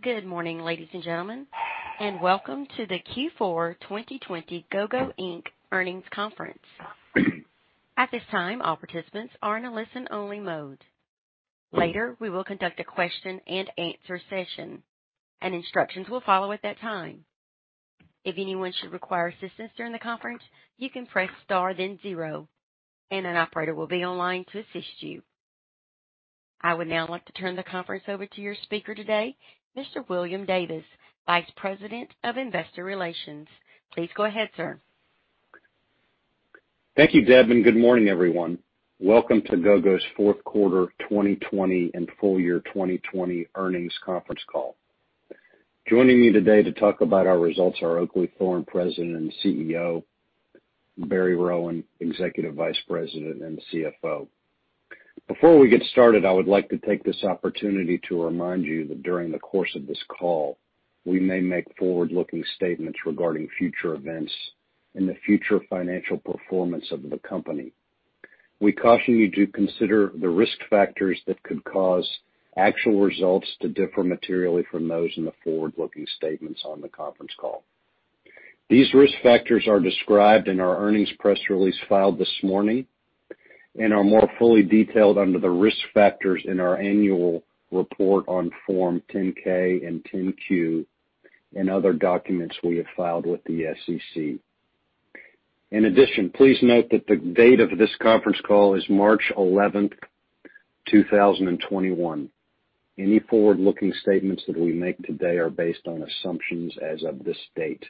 Good morning, ladies and gentlemen, and welcome to the Q4 2020 Gogo Inc earnings conference. At this time, all participants are in a listen-only mode. Later, we will conduct a question and answer session, and instructions will follow at that time. If anyone should require assistance during the conference, you can press star then zero, and an operator will be online to assist you. I would now like to turn the conference over to your speaker today, Mr. William Davis, Vice President of Investor Relations. Please go ahead, sir. Thank you, Devin. Good morning, everyone. Welcome to Gogo's fourth quarter 2020 and full year 2020 earnings conference call. Joining me today to talk about our results are Oakleigh Thorne, President and CEO, Barry Rowan, Executive Vice President and CFO. Before we get started, I would like to take this opportunity to remind you that during the course of this call, we may make forward-looking statements regarding future events and the future financial performance of the company. We caution you to consider the risk factors that could cause actual results to differ materially from those in the forward-looking statements on the conference call. These risk factors are described in our earnings press release filed this morning and are more fully detailed under the risk factors in our annual report on Form 10-K and 10-Q and other documents we have filed with the SEC. In addition, please note that the date of this conference call is March 11th, 2021. Any forward-looking statements that we make today are based on assumptions as of this date.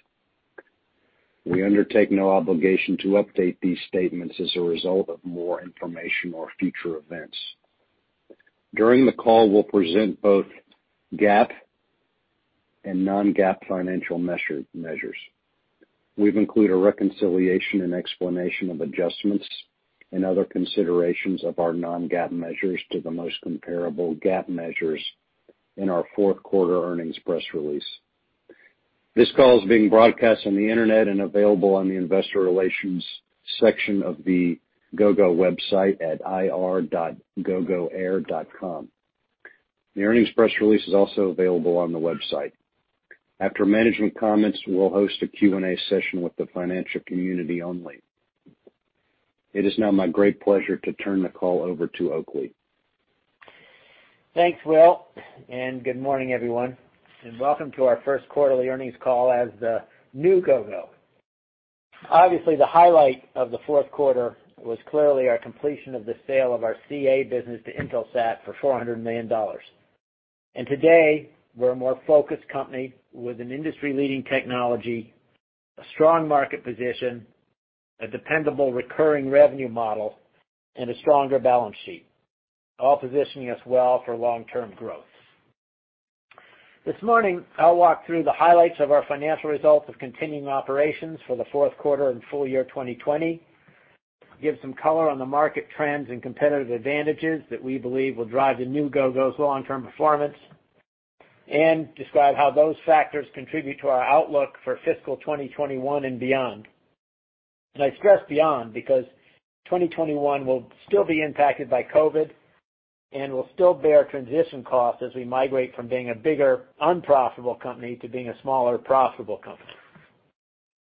We undertake no obligation to update these statements as a result of more information or future events. During the call, we'll present both GAAP and non-GAAP financial measures. We've included a reconciliation and explanation of adjustments and other considerations of our non-GAAP measures to the most comparable GAAP measures in our fourth quarter earnings press release. This call is being broadcast on the internet and available on the investor relations section of the Gogo website at ir.gogoair.com. The earnings press release is also available on the website. After management comments, we'll host a Q&A session with the financial community only. It is now my great pleasure to turn the call over to Oakleigh. Thanks, Will, good morning, everyone, and welcome to our first quarterly earnings call as the new Gogo. Obviously, the highlight of the fourth quarter was clearly our completion of the sale of our CA business to Intelsat for $400 million. Today, we're a more focused company with an industry-leading technology, a strong market position, a dependable recurring revenue model, and a stronger balance sheet, all positioning us well for long-term growth. This morning, I'll walk through the highlights of our financial results of continuing operations for the fourth quarter and full year 2020, give some color on the market trends and competitive advantages that we believe will drive the new Gogo's long-term performance, and describe how those factors contribute to our outlook for fiscal 2021 and beyond. I stress beyond because 2021 will still be impacted by COVID and will still bear transition costs as we migrate from being a bigger unprofitable company to being a smaller profitable company.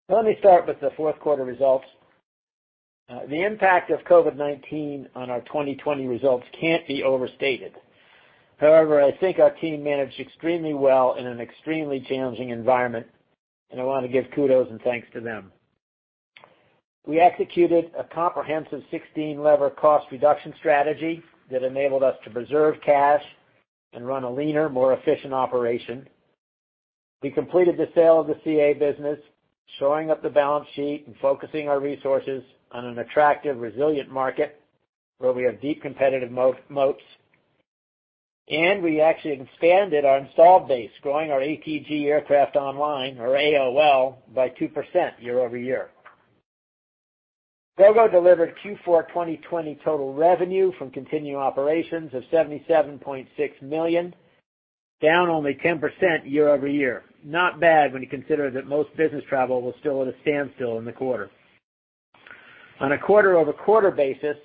Let me start with the fourth quarter results. The impact of COVID-19 on our 2020 results can't be overstated. However, I think our team managed extremely well in an extremely challenging environment, and I want to give kudos and thanks to them. We executed a comprehensive 16-lever cost reduction strategy that enabled us to preserve cash and run a leaner, more efficient operation. We completed the sale of the CA business, shoring up the balance sheet and focusing our resources on an attractive, resilient market where we have deep competitive moats, and we actually expanded our installed base, growing our ATG aircraft online, or AOL, by 2% year-over-year. Gogo delivered Q4 2020 total revenue from continuing operations of $77.6 million, down only 10% year-over-year. Not bad when you consider that most business travel was still at a standstill in the quarter. On a quarter-over-quarter basis,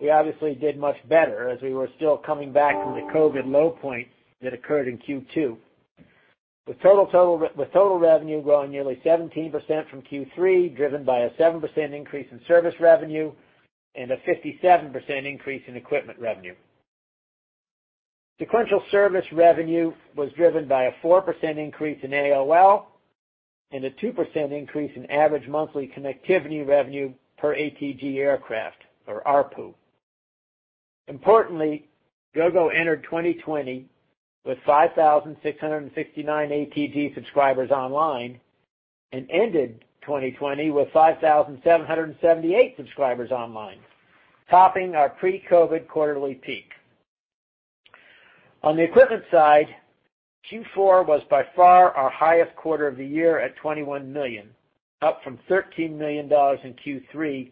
we obviously did much better as we were still coming back from the COVID low point that occurred in Q2, with total revenue growing nearly 17% from Q3, driven by a 7% increase in service revenue and a 57% increase in equipment revenue. Sequential service revenue was driven by a 4% increase in AOL and a 2% increase in average monthly connectivity revenue per ATG aircraft or ARPU. Importantly, Gogo entered 2020 with 5,669 ATG subscribers online and ended 2020 with 5,778 subscribers online, topping our pre-COVID quarterly peak. On the equipment side, Q4 was by far our highest quarter of the year at $21 million, up from $13 million in Q3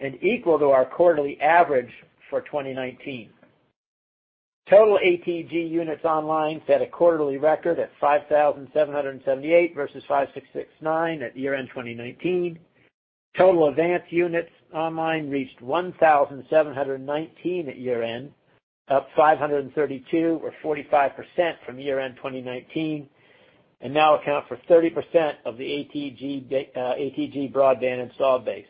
and equal to our quarterly average for 2019. Total ATG units online set a quarterly record at 5,778 versus 5,669 at year-end 2019. Total AVANCE units online reached 1,719 at year-end, up 532 or 45% from year-end 2019, and now account for 30% of the ATG broadband installed base.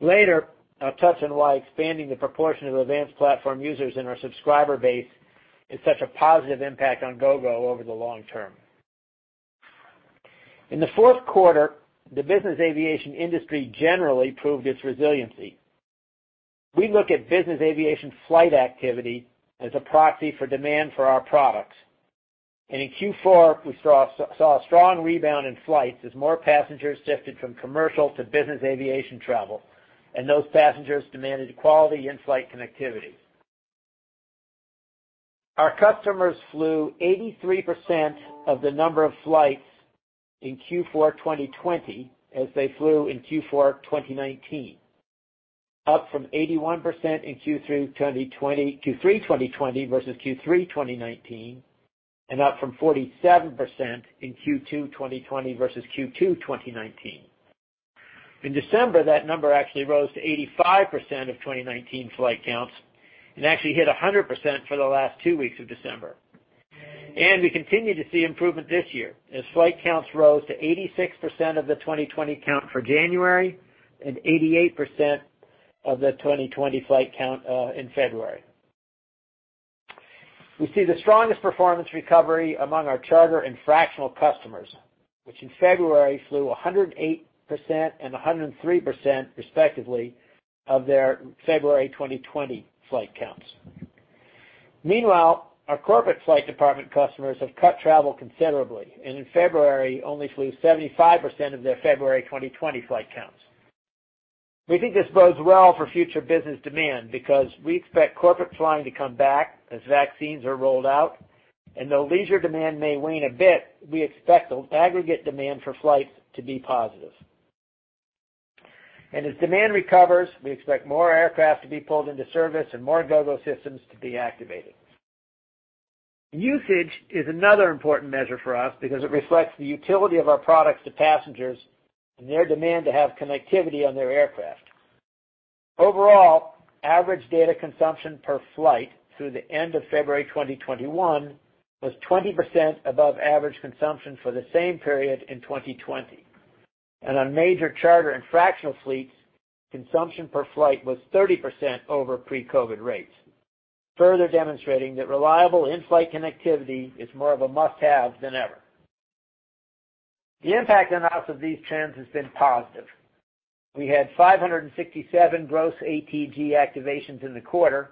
Later, I'll touch on why expanding the proportion of AVANCE platform users in our subscriber base is such a positive impact on Gogo over the long term. In the fourth quarter, the business aviation industry generally proved its resiliency. We look at business aviation flight activity as a proxy for demand for our products, and in Q4, we saw a strong rebound in flights as more passengers shifted from commercial to business aviation travel, and those passengers demanded quality in-flight connectivity. Our customers flew 83% of the number of flights in Q4 2020 as they flew in Q4 2019, up from 81% in Q3 2020 versus Q3 2019, and up from 47% in Q2 2020 versus Q2 2019. In December, that number actually rose to 85% of 2019 flight counts and actually hit 100% for the last two weeks of December. We continue to see improvement this year as flight counts rose to 86% of the 2020 count for January and 88% of the 2020 flight count in February. We see the strongest performance recovery among our charter and fractional customers, which in February flew 108% and 103% respectively of their February 2020 flight counts. Meanwhile, our corporate flight department customers have cut travel considerably, and in February only flew 75% of their February 2020 flight counts. We think this bodes well for future business demand because we expect corporate flying to come back as vaccines are rolled out, though leisure demand may wane a bit, we expect aggregate demand for flights to be positive. As demand recovers, we expect more aircraft to be pulled into service and more Gogo systems to be activated. Usage is another important measure for us because it reflects the utility of our products to passengers and their demand to have connectivity on their aircraft. Overall, average data consumption per flight through the end of February 2021 was 20% above average consumption for the same period in 2020. On major charter and fractional fleets, consumption per flight was 30% over pre-COVID-19 rates, further demonstrating that reliable in-flight connectivity is more of a must-have than ever. The impact on us of these trends has been positive. We had 567 gross ATG activations in the quarter,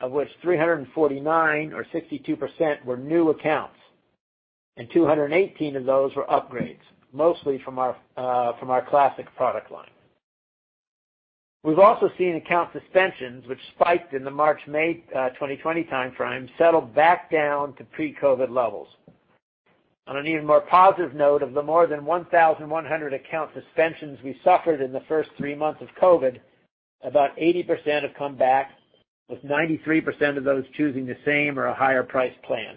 of which 349 or 62% were new accounts, and 218 of those were upgrades, mostly from our classic product line. We've also seen account suspensions, which spiked in the March-May 2020 timeframe, settle back down to pre-COVID-19 levels. On an even more positive note, of the more than 1,100 account suspensions we suffered in the first three months of COVID-19, about 80% have come back, with 93% of those choosing the same or a higher price plan.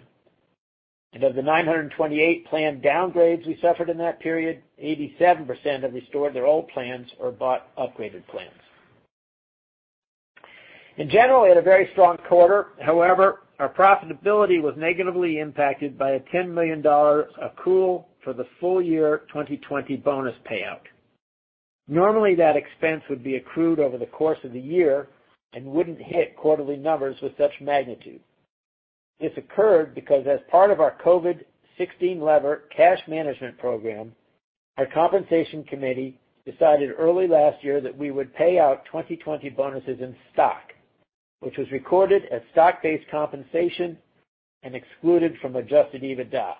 Of the 928 plan downgrades we suffered in that period, 87% have restored their old plans or bought upgraded plans. In general, we had a very strong quarter. However, our profitability was negatively impacted by a $10 million accrual for the full year 2020 bonus payout. Normally, that expense would be accrued over the course of the year and wouldn't hit quarterly numbers with such magnitude. This occurred because as part of our COVID-19 Lever cash management program, our compensation committee decided early last year that we would pay out 2020 bonuses in stock, which was recorded as stock-based compensation and excluded from adjusted EBITDA.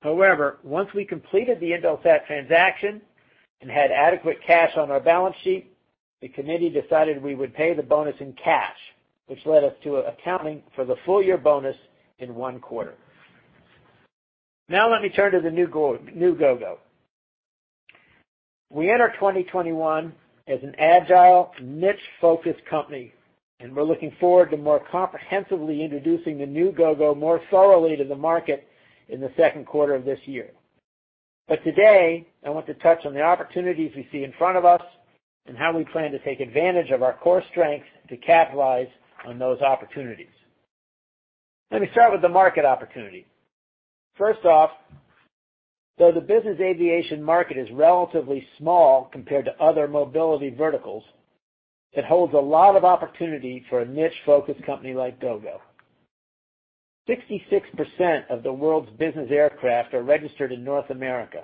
However, once we completed the Intelsat transaction and had adequate cash on our balance sheet, the committee decided we would pay the bonus in cash, which led us to accounting for the full-year bonus in one quarter. Let me turn to the new Gogo. We enter 2021 as an agile, niche-focused company, we're looking forward to more comprehensively introducing the new Gogo more thoroughly to the market in the second quarter of this year. Today, I want to touch on the opportunities we see in front of us and how we plan to take advantage of our core strengths to capitalize on those opportunities. Let me start with the market opportunity. First off, though the business aviation market is relatively small compared to other mobility verticals, it holds a lot of opportunity for a niche-focused company like Gogo. 66% of the world's business aircraft are registered in North America,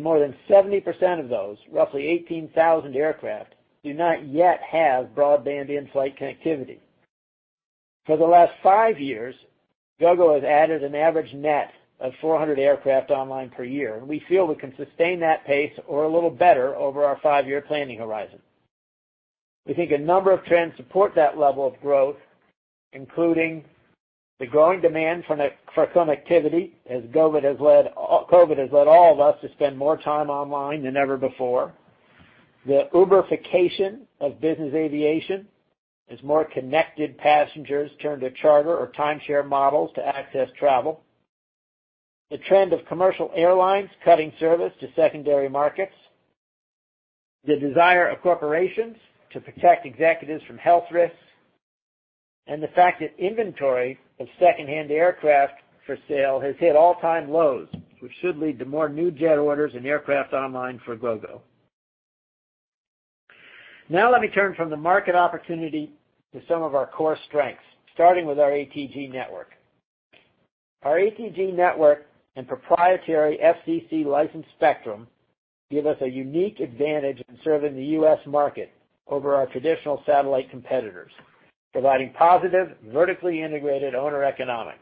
more than 70% of those, roughly 18,000 aircraft, do not yet have broadband in-flight connectivity. For the last five years, Gogo has added an average net of 400 aircraft online per year. We feel we can sustain that pace or a little better over our five-year planning horizon. We think a number of trends support that level of growth, including the growing demand for connectivity as COVID has led all of us to spend more time online than ever before. The Uber-ification of business aviation as more connected passengers turn to charter or timeshare models to access travel. The trend of commercial airlines cutting service to secondary markets, the desire of corporations to protect executives from health risks, the fact that inventory of secondhand aircraft for sale has hit all-time lows, which should lead to more new jet orders and aircraft online for Gogo. Let me turn from the market opportunity to some of our core strengths, starting with our ATG network. Our ATG network and proprietary FCC licensed spectrum give us a unique advantage in serving the U.S. market over our traditional satellite competitors, providing positive, vertically integrated owner economics.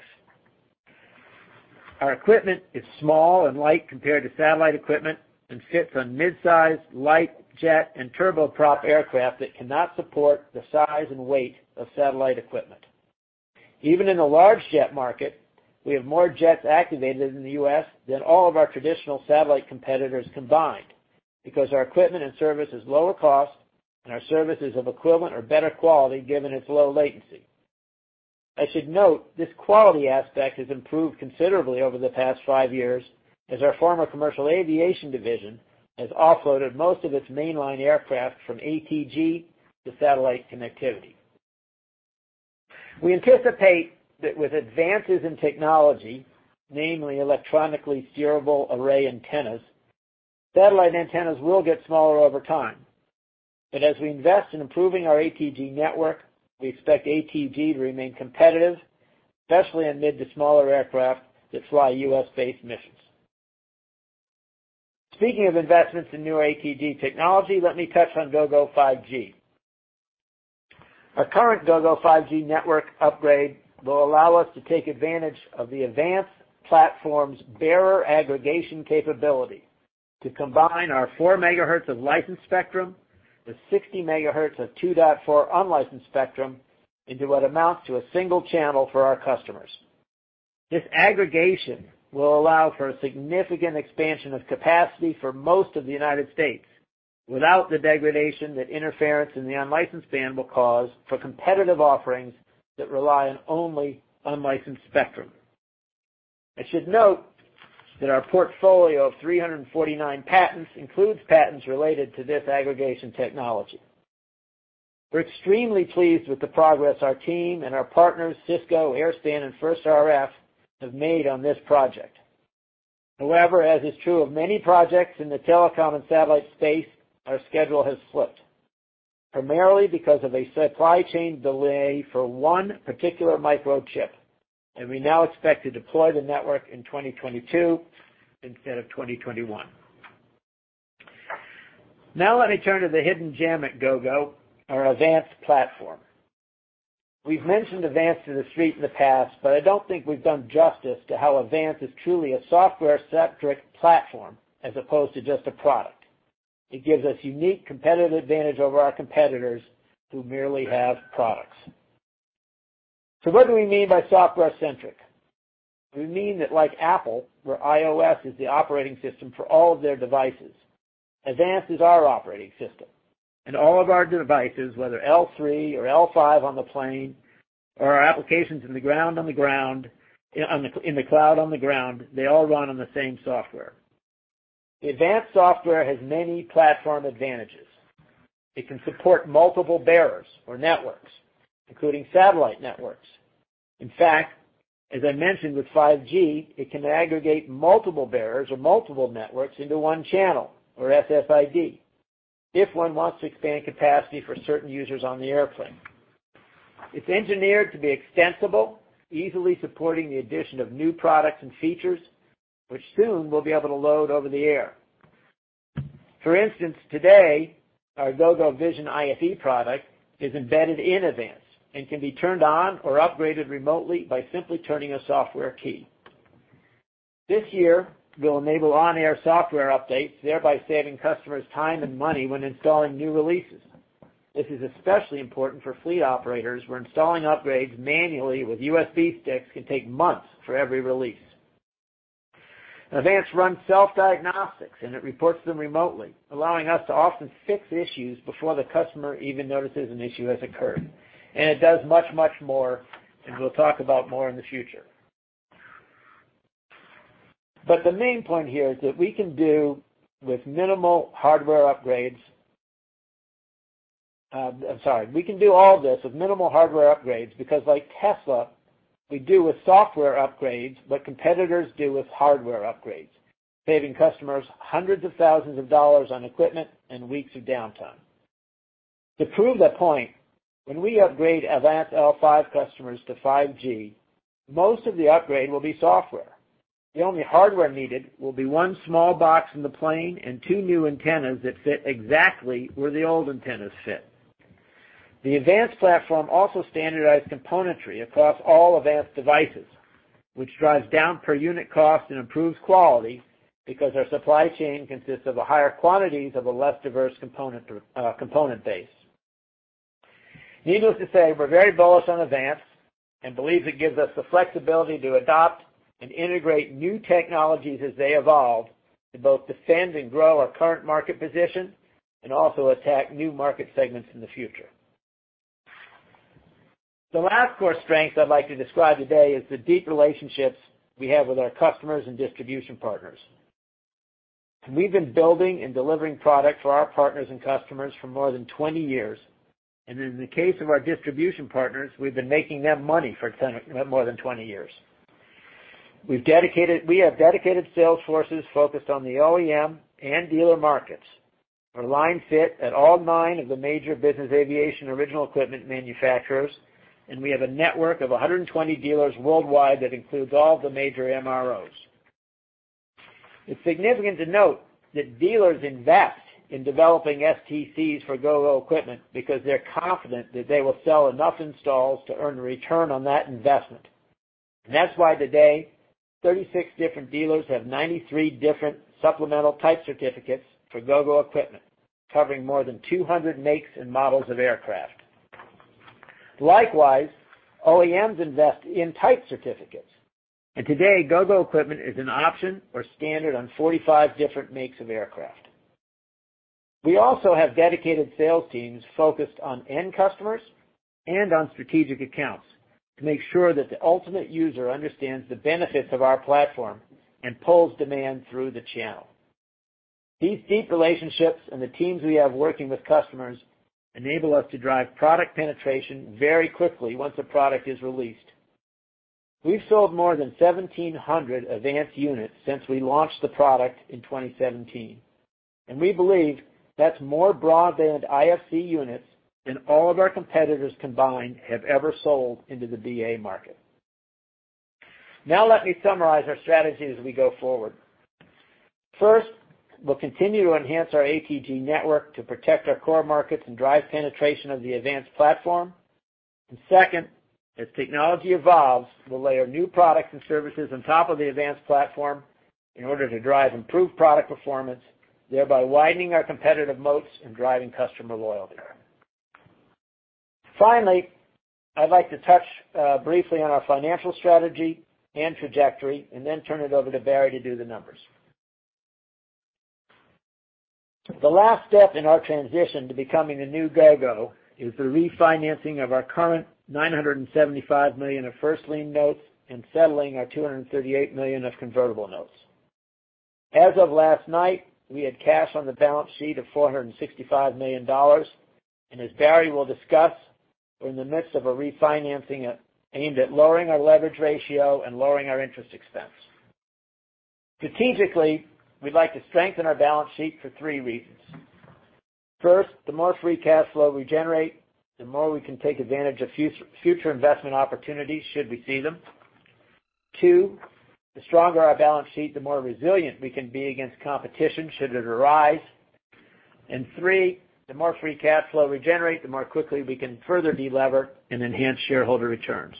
Our equipment is small and light compared to satellite equipment and fits on mid-size light jet and turboprop aircraft that cannot support the size and weight of satellite equipment. Even in the large jet market, we have more jets activated in the U.S. than all of our traditional satellite competitors combined, because our equipment and service is lower cost and our service is of equivalent or better quality given its low latency. I should note this quality aspect has improved considerably over the past five years as our former commercial aviation division has offloaded most of its mainline aircraft from ATG to satellite connectivity. We anticipate that with advances in technology, namely electronically steerable array antennas, satellite antennas will get smaller over time. As we invest in improving our ATG network, we expect ATG to remain competitive, especially amid the smaller aircraft that fly U.S.-based missions. Speaking of investments in new ATG technology, let me touch on Gogo 5G. Our current Gogo 5G network upgrade will allow us to take advantage of the AVANCE platform's bearer aggregation capability to combine our 4 MHz of licensed spectrum with 60 MHz of 2.4 unlicensed spectrum into what amounts to a single channel for our customers. This aggregation will allow for a significant expansion of capacity for most of the United States without the degradation that interference in the unlicensed band will cause for competitive offerings that rely on only unlicensed spectrum. I should note that our portfolio of 349 patents includes patents related to this aggregation technology. We're extremely pleased with the progress our team and our partners, Cisco, Airspan, and First RF, have made on this project. As is true of many projects in the telecom and satellite space, our schedule has slipped, primarily because of a supply chain delay for one particular microchip, and we now expect to deploy the network in 2022 instead of 2021. Let me turn to the hidden gem at Gogo, our AVANCE platform. We've mentioned AVANCE to the Street in the past, I don't think we've done justice to how AVANCE is truly a software-centric platform as opposed to just a product. It gives us unique competitive advantage over our competitors who merely have products. What do we mean by software centric? We mean that like Apple, where iOS is the operating system for all of their devices, AVANCE is our operating system. All of our devices, whether L3 or L5 on the plane or our applications on the ground, in the cloud on the ground, they all run on the same software. The AVANCE software has many platform advantages. It can support multiple bearers or networks, including satellite networks. In fact, as I mentioned, with 5G, it can aggregate multiple bearers or multiple networks into one channel or SSID if one wants to expand capacity for certain users on the airplane. It's engineered to be extensible, easily supporting the addition of new products and features, which soon we'll be able to load over the air. For instance, today, our Gogo Vision IFE product is embedded in AVANCE and can be turned on or upgraded remotely by simply turning a software key. This year, we'll enable on-air software updates, thereby saving customers time and money when installing new releases. This is especially important for fleet operators, where installing upgrades manually with USB sticks can take months for every release. AVANCE runs self-diagnostics, and it reports them remotely, allowing us to often fix issues before the customer even notices an issue has occurred. It does much, much more, as we'll talk about more in the future. The main point here is that we can do with minimal hardware upgrades. I'm sorry. We can do all this with minimal hardware upgrades because like Tesla, we do with software upgrades what competitors do with hardware upgrades, saving customers hundreds of thousands of dollars on equipment and weeks of downtime. To prove that point, when we upgrade AVANCE L5 customers to 5G, most of the upgrade will be software. The only hardware needed will be one small box in the plane and two new antennas that fit exactly where the old antennas fit. The AVANCE platform also standardized componentry across all AVANCE devices, which drives down per unit cost and improves quality because our supply chain consists of a higher quantities of a less diverse component base. Needless to say, we're very bullish on AVANCE and believe it gives us the flexibility to adopt and integrate new technologies as they evolve to both defend and grow our current market position and also attack new market segments in the future. The last core strength I'd like to describe today is the deep relationships we have with our customers and distribution partners. We've been building and delivering product for our partners and customers for more than 20 years, and in the case of our distribution partners, we've been making them money for more than 20 years. We have dedicated sales forces focused on the OEM and dealer markets. We're line-fit at all nine of the major business aviation original equipment manufacturers, and we have a network of 120 dealers worldwide that includes all the major MROs. It's significant to note that dealers invest in developing STCs for Gogo equipment because they're confident that they will sell enough installs to earn a return on that investment. That's why today, 36 different dealers have 93 different Supplemental Type Certificates for Gogo equipment, covering more than 200 makes and models of aircraft. Likewise, OEMs invest in type certificates, today, Gogo equipment is an option or standard on 45 different makes of aircraft. We also have dedicated sales teams focused on end customers and on strategic accounts to make sure that the ultimate user understands the benefits of our platform and pulls demand through the channel. These deep relationships and the teams we have working with customers enable us to drive product penetration very quickly once a product is released. We've sold more than 1,700 AVANCE units since we launched the product in 2017, and we believe that's more broadband IFC units than all of our competitors combined have ever sold into the BA market. Now let me summarize our strategy as we go forward. First, we'll continue to enhance our ATG network to protect our core markets and drive penetration of the AVANCE platform. Second, as technology evolves, we'll layer new products and services on top of the AVANCE platform in order to drive improved product performance, thereby widening our competitive moats and driving customer loyalty. Finally, I'd like to touch briefly on our financial strategy and trajectory and then turn it over to Barry to do the numbers. The last step in our transition to becoming the new Gogo is the refinancing of our current $975 million of first lien notes and settling our $238 million of convertible notes. As of last night, we had cash on the balance sheet of $465 million, and as Barry will discuss, we're in the midst of a refinancing aimed at lowering our leverage ratio and lowering our interest expense. Strategically, we'd like to strengthen our balance sheet for three reasons. First, the more free cash flow we generate, the more we can take advantage of future investment opportunities should we see them. Two, the stronger our balance sheet, the more resilient we can be against competition should it arise. Three, the more free cash flow we generate, the more quickly we can further de-lever and enhance shareholder returns.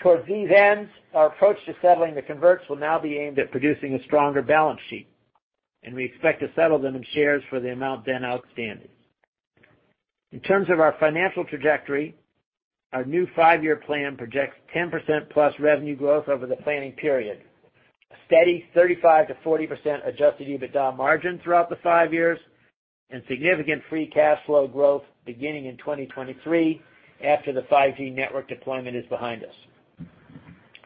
Towards these ends, our approach to settling the converts will now be aimed at producing a stronger balance sheet. We expect to settle them in shares for the amount then outstanding. In terms of our financial trajectory, our new five-year plan projects 10%+ revenue growth over the planning period. A steady 35%-40% adjusted EBITDA margin throughout the five years, and significant free cash flow growth beginning in 2023, after the 5G network deployment is behind us.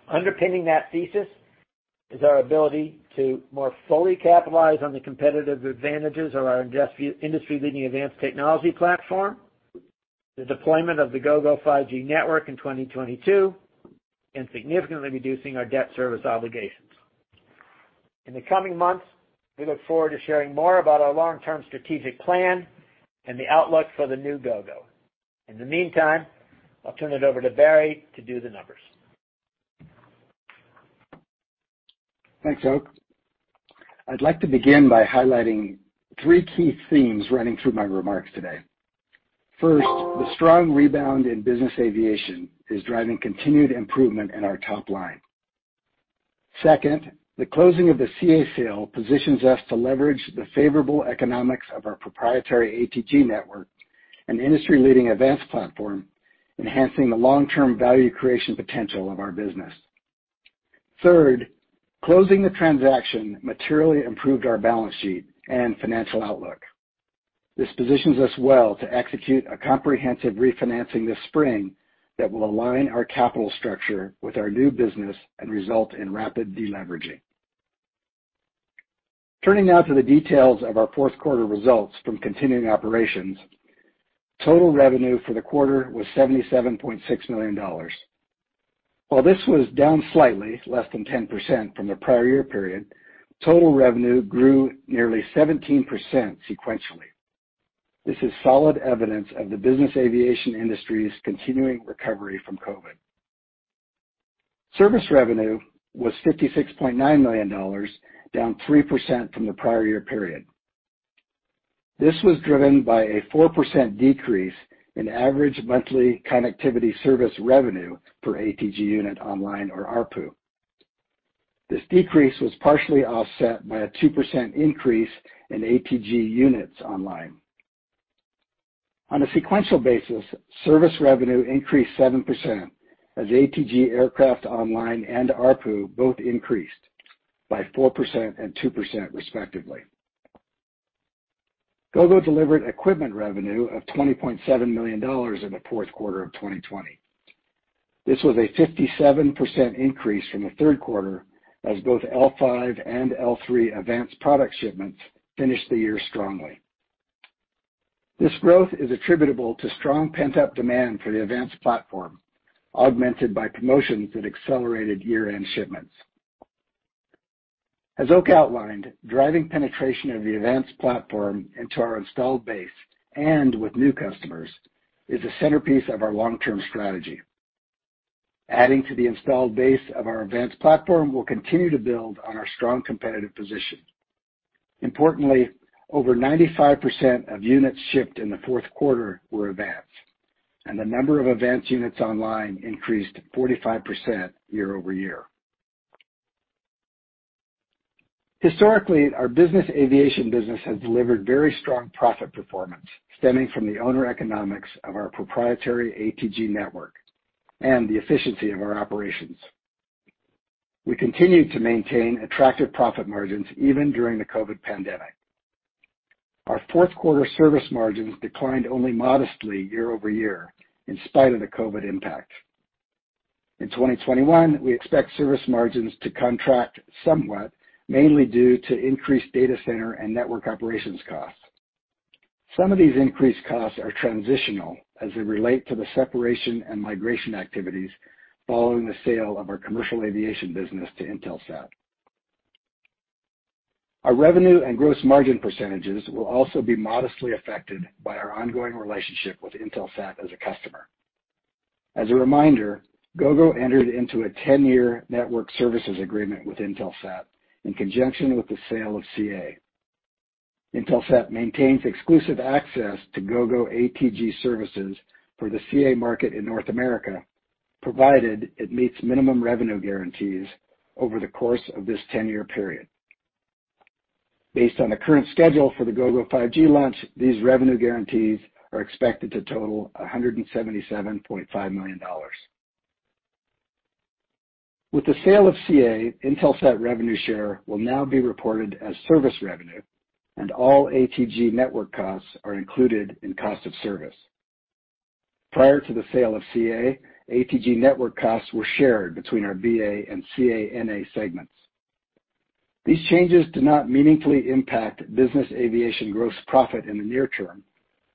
Underpinning that thesis is our ability to more fully capitalize on the competitive advantages of our industry-leading AVANCE technology platform, the deployment of the Gogo 5G network in 2022, and significantly reducing our debt service obligations. In the coming months, we look forward to sharing more about our long-term strategic plan and the outlook for the new Gogo. In the meantime, I'll turn it over to Barry to do the numbers. Thanks, Oak. I'd like to begin by highlighting three key themes running through my remarks today. First, the strong rebound in business aviation is driving continued improvement in our top line. Second, the closing of the CA sale positions us to leverage the favorable economics of our proprietary ATG network and industry-leading AVANCE platform, enhancing the long-term value creation potential of our business. Third, closing the transaction materially improved our balance sheet and financial outlook. This positions us well to execute a comprehensive refinancing this spring that will align our capital structure with our new business and result in rapid de-leveraging. Turning now to the details of our fourth quarter results from continuing operations, total revenue for the quarter was $77.6 million. While this was down slightly, less than 10% from the prior year period, total revenue grew nearly 17% sequentially. This is solid evidence of the business aviation industry's continuing recovery from COVID-19. Service revenue was $56.9 million, down 3% from the prior year period. This was driven by a 4% decrease in average monthly connectivity service revenue per ATG unit online or ARPU. This decrease was partially offset by a 2% increase in ATG units online. On a sequential basis, service revenue increased 7% as ATG aircraft online and ARPU both increased by 4% and 2% respectively. Gogo delivered equipment revenue of $20.7 million in the fourth quarter of 2020. This was a 57% increase from the third quarter as both L5 and L3 AVANCE product shipments finished the year strongly. This growth is attributable to strong pent-up demand for the AVANCE platform, augmented by promotions that accelerated year-end shipments. As Oak outlined, driving penetration of the AVANCE platform into our installed base, and with new customers, is a centerpiece of our long-term strategy. Adding to the installed base of our AVANCE platform will continue to build on our strong competitive position. Importantly, over 95% of units shipped in the fourth quarter were AVANCE, and the number of AVANCE units online increased 45% year-over-year. Historically, our business aviation business has delivered very strong profit performance, stemming from the owner economics of our proprietary ATG network and the efficiency of our operations. We continued to maintain attractive profit margins even during the COVID-19 pandemic. Our fourth quarter service margins declined only modestly year-over-year, in spite of the COVID-19 impact. In 2021, we expect service margins to contract somewhat, mainly due to increased data center and network operations costs. Some of these increased costs are transitional, as they relate to the separation and migration activities following the sale of our commercial aviation business to Intelsat. Our revenue and gross margin percentages will also be modestly affected by our ongoing relationship with Intelsat as a customer. As a reminder, Gogo entered into a 10-year network services agreement with Intelsat in conjunction with the sale of CA. Intelsat maintains exclusive access to Gogo ATG services for the CA market in North America, provided it meets minimum revenue guarantees over the course of this 10-year period. Based on the current schedule for the Gogo 5G launch, these revenue guarantees are expected to total $177.5 million. With the sale of CA, Intelsat revenue share will now be reported as service revenue, and all ATG network costs are included in cost of service. Prior to the sale of CA, ATG network costs were shared between our BA and CA-NA segments. These changes do not meaningfully impact business aviation gross profit in the near term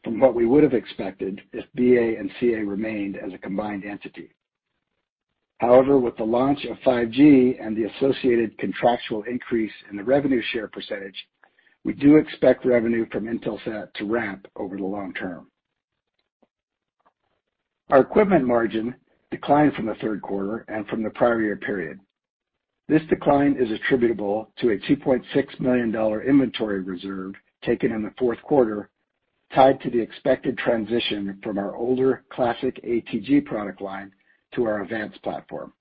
from what we would have expected if BA and CA remained as a combined entity. With the launch of 5G and the associated contractual increase in the revenue share percentage, we do expect revenue from Intelsat to ramp over the long term. Our equipment margin declined from the third quarter and from the prior year period. This decline is attributable to a $2.6 million inventory reserve taken in the fourth quarter, tied to the expected transition from our older classic ATG product line to our AVANCE platform.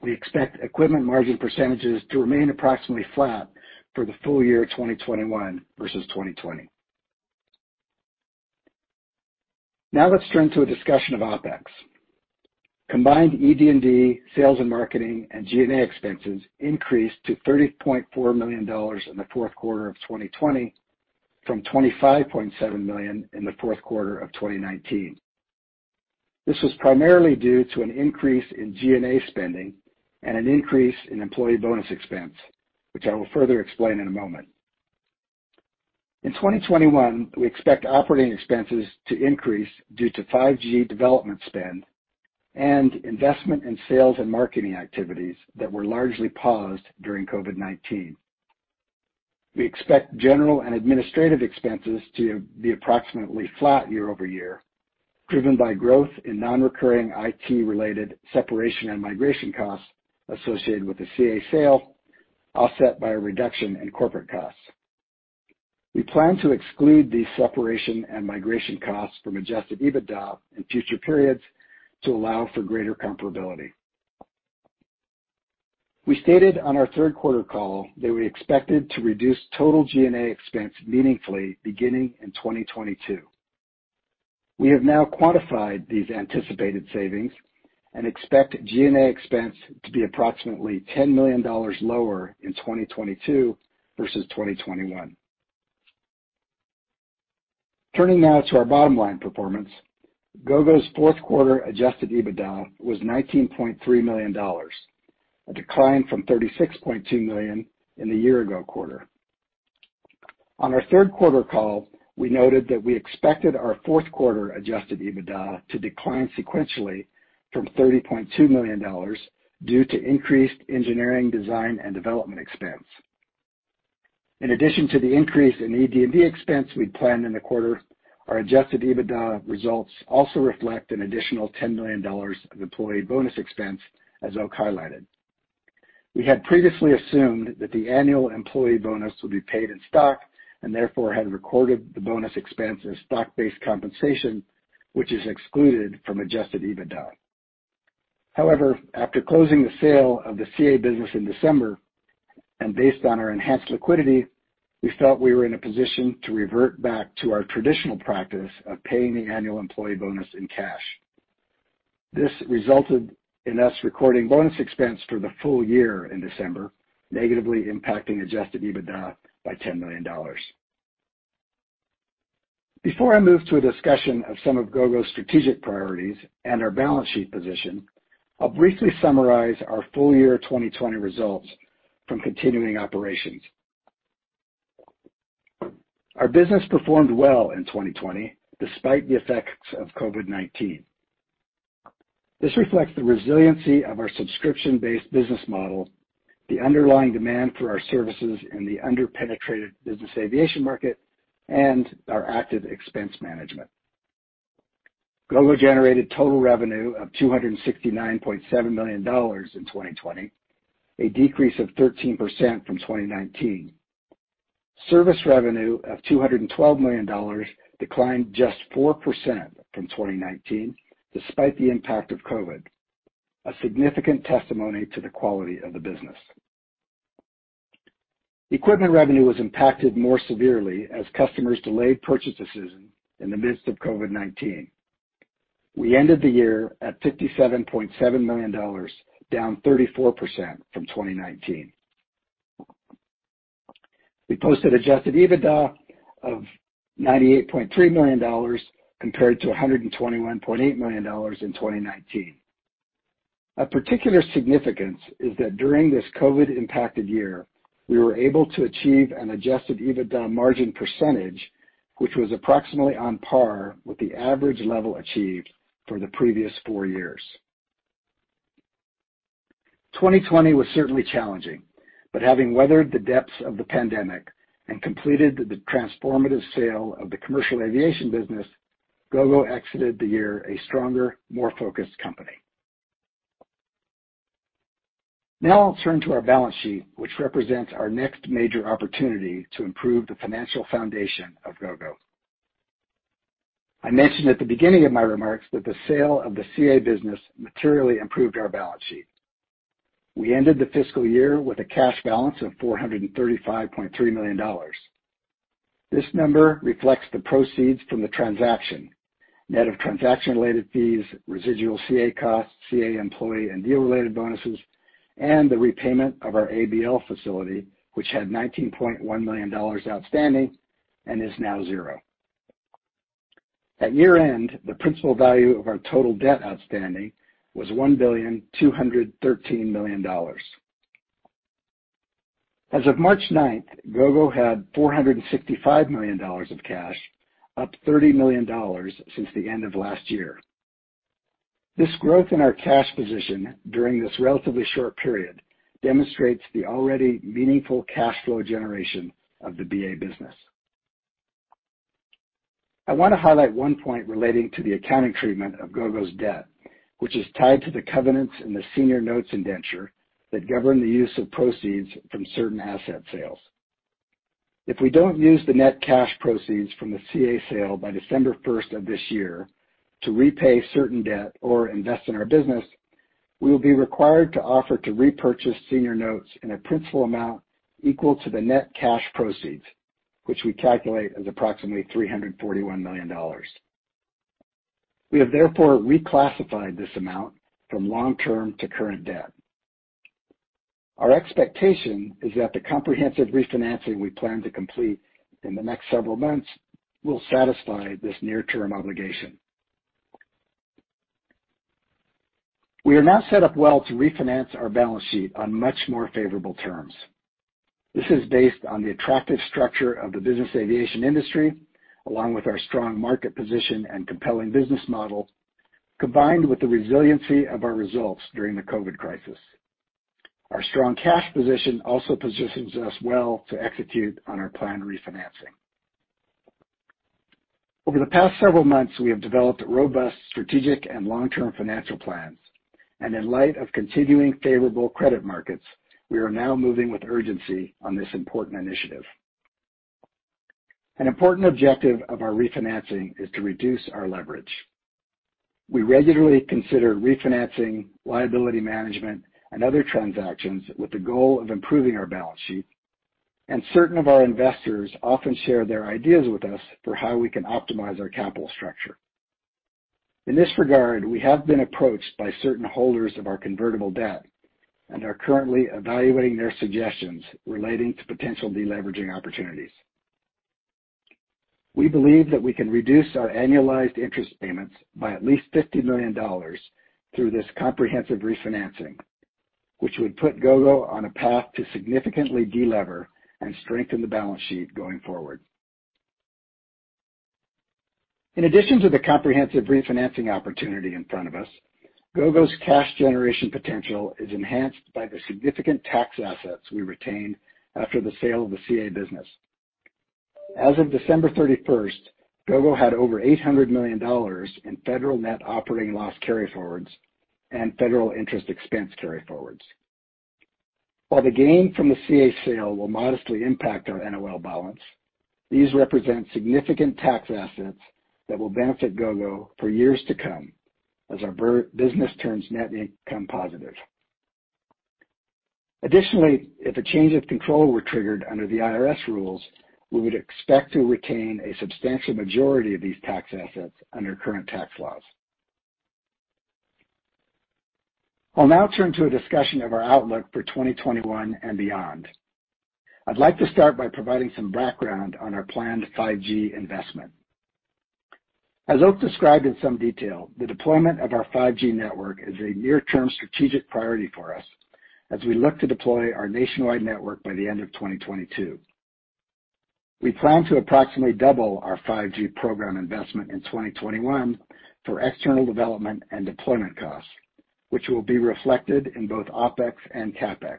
We expect equipment margin percentages to remain approximately flat for the full year 2021 versus 2020. Let's turn to a discussion of OpEx. Combined ED&D, sales and marketing, and G&A expenses increased to $30.4 million in the fourth quarter of 2020 from $25.7 million in the fourth quarter of 2019. This was primarily due to an increase in G&A spending and an increase in employee bonus expense, which I will further explain in a moment. In 2021, we expect operating expenses to increase due to 5G development spend and investment in sales and marketing activities that were largely paused during COVID-19. We expect general and administrative expenses to be approximately flat year-over-year, driven by growth in non-recurring IT-related separation and migration costs associated with the CA sale, offset by a reduction in corporate costs. We plan to exclude these separation and migration costs from adjusted EBITDA in future periods to allow for greater comparability. We stated on our third quarter call that we expected to reduce total G&A expense meaningfully beginning in 2022. We have now quantified these anticipated savings and expect G&A expense to be approximately $10 million lower in 2022 versus 2021. Turning now to our bottom line performance. Gogo's fourth quarter adjusted EBITDA was $19.3 million, a decline from $36.2 million in the year-ago quarter. On our third quarter call, we noted that we expected our fourth quarter adjusted EBITDA to decline sequentially from $30.2 million due to increased engineering, design, and development expense. In addition to the increase in ED&D expense we planned in the quarter, our adjusted EBITDA results also reflect an additional $10 million of employee bonus expense, as Oak highlighted. We had previously assumed that the annual employee bonus would be paid in stock, therefore, had recorded the bonus expense as stock-based compensation, which is excluded from adjusted EBITDA. However, after closing the sale of the CA business in December, based on our enhanced liquidity, we felt we were in a position to revert back to our traditional practice of paying the annual employee bonus in cash. This resulted in us recording bonus expense for the full year in December, negatively impacting adjusted EBITDA by $10 million. Before I move to a discussion of some of Gogo's strategic priorities and our balance sheet position, I'll briefly summarize our full year 2020 results from continuing operations. Our business performed well in 2020 despite the effects of COVID-19. This reflects the resiliency of our subscription-based business model, the underlying demand for our services in the under-penetrated business aviation market, and our active expense management. Gogo generated total revenue of $269.7 million in 2020, a decrease of 13% from 2019. Service revenue of $212 million declined just 4% from 2019 despite the impact of COVID-19, a significant testimony to the quality of the business. Equipment revenue was impacted more severely as customers delayed purchase decisions in the midst of COVID-19. We ended the year at $57.7 million, down 34% from 2019. We posted adjusted EBITDA of $98.3 million compared to $121.8 million in 2019. Of particular significance is that during this COVID-19-impacted year, we were able to achieve an adjusted EBITDA margin percentage, which was approximately on par with the average level achieved for the previous four years. 2020 was certainly challenging, having weathered the depths of the pandemic and completed the transformative sale of the commercial aviation business, Gogo exited the year a stronger, more focused company. I'll turn to our balance sheet, which represents our next major opportunity to improve the financial foundation of Gogo. I mentioned at the beginning of my remarks that the sale of the CA business materially improved our balance sheet. We ended the fiscal year with a cash balance of $435.3 million. This number reflects the proceeds from the transaction, net of transaction-related fees, residual CA costs, CA employee and deal related bonuses, and the repayment of our ABL facility, which had $19.1 million outstanding and is now zero. At year-end, the principal value of our total debt outstanding was $1,213,000,000. As of March 9th, Gogo had $465 million of cash, up $30 million since the end of last year. This growth in our cash position during this relatively short period demonstrates the already meaningful cash flow generation of the BA business. I want to highlight one point relating to the accounting treatment of Gogo's debt, which is tied to the covenants in the senior notes indenture that govern the use of proceeds from certain asset sales. If we don't use the net cash proceeds from the CA sale by December 1st of this year to repay certain debt or invest in our business, we will be required to offer to repurchase senior notes in a principal amount equal to the net cash proceeds, which we calculate as approximately $341 million. We have therefore reclassified this amount from long-term to current debt. Our expectation is that the comprehensive refinancing we plan to complete in the next several months will satisfy this near-term obligation. We are now set up well to refinance our balance sheet on much more favorable terms. This is based on the attractive structure of the business aviation industry, along with our strong market position and compelling business model, combined with the resiliency of our results during the COVID crisis. Our strong cash position also positions us well to execute on our planned refinancing. Over the past several months, we have developed robust strategic and long-term financial plans. In light of continuing favorable credit markets, we are now moving with urgency on this important initiative. An important objective of our refinancing is to reduce our leverage. We regularly consider refinancing, liability management, and other transactions with the goal of improving our balance sheet, and certain of our investors often share their ideas with us for how we can optimize our capital structure. In this regard, we have been approached by certain holders of our convertible debt and are currently evaluating their suggestions relating to potential deleveraging opportunities. We believe that we can reduce our annualized interest payments by at least $50 million through this comprehensive refinancing, which would put Gogo on a path to significantly de-lever and strengthen the balance sheet going forward. In addition to the comprehensive refinancing opportunity in front of us, Gogo's cash generation potential is enhanced by the significant tax assets we retained after the sale of the CA business. As of December 31st, Gogo had over $800 million in federal net operating loss carryforwards and federal interest expense carryforwards. While the gain from the CA sale will modestly impact our NOL balance, these represent significant tax assets that will benefit Gogo for years to come as our business turns net income positive. Additionally, if a change of control were triggered under the IRS rules, we would expect to retain a substantial majority of these tax assets under current tax laws. I'll now turn to a discussion of our outlook for 2021 and beyond. I'd like to start by providing some background on our planned 5G investment. As Oak described in some detail, the deployment of our 5G network is a near-term strategic priority for us as we look to deploy our nationwide network by the end of 2022. We plan to approximately double our 5G program investment in 2021 for external development and deployment costs, which will be reflected in both OpEx and CapEx.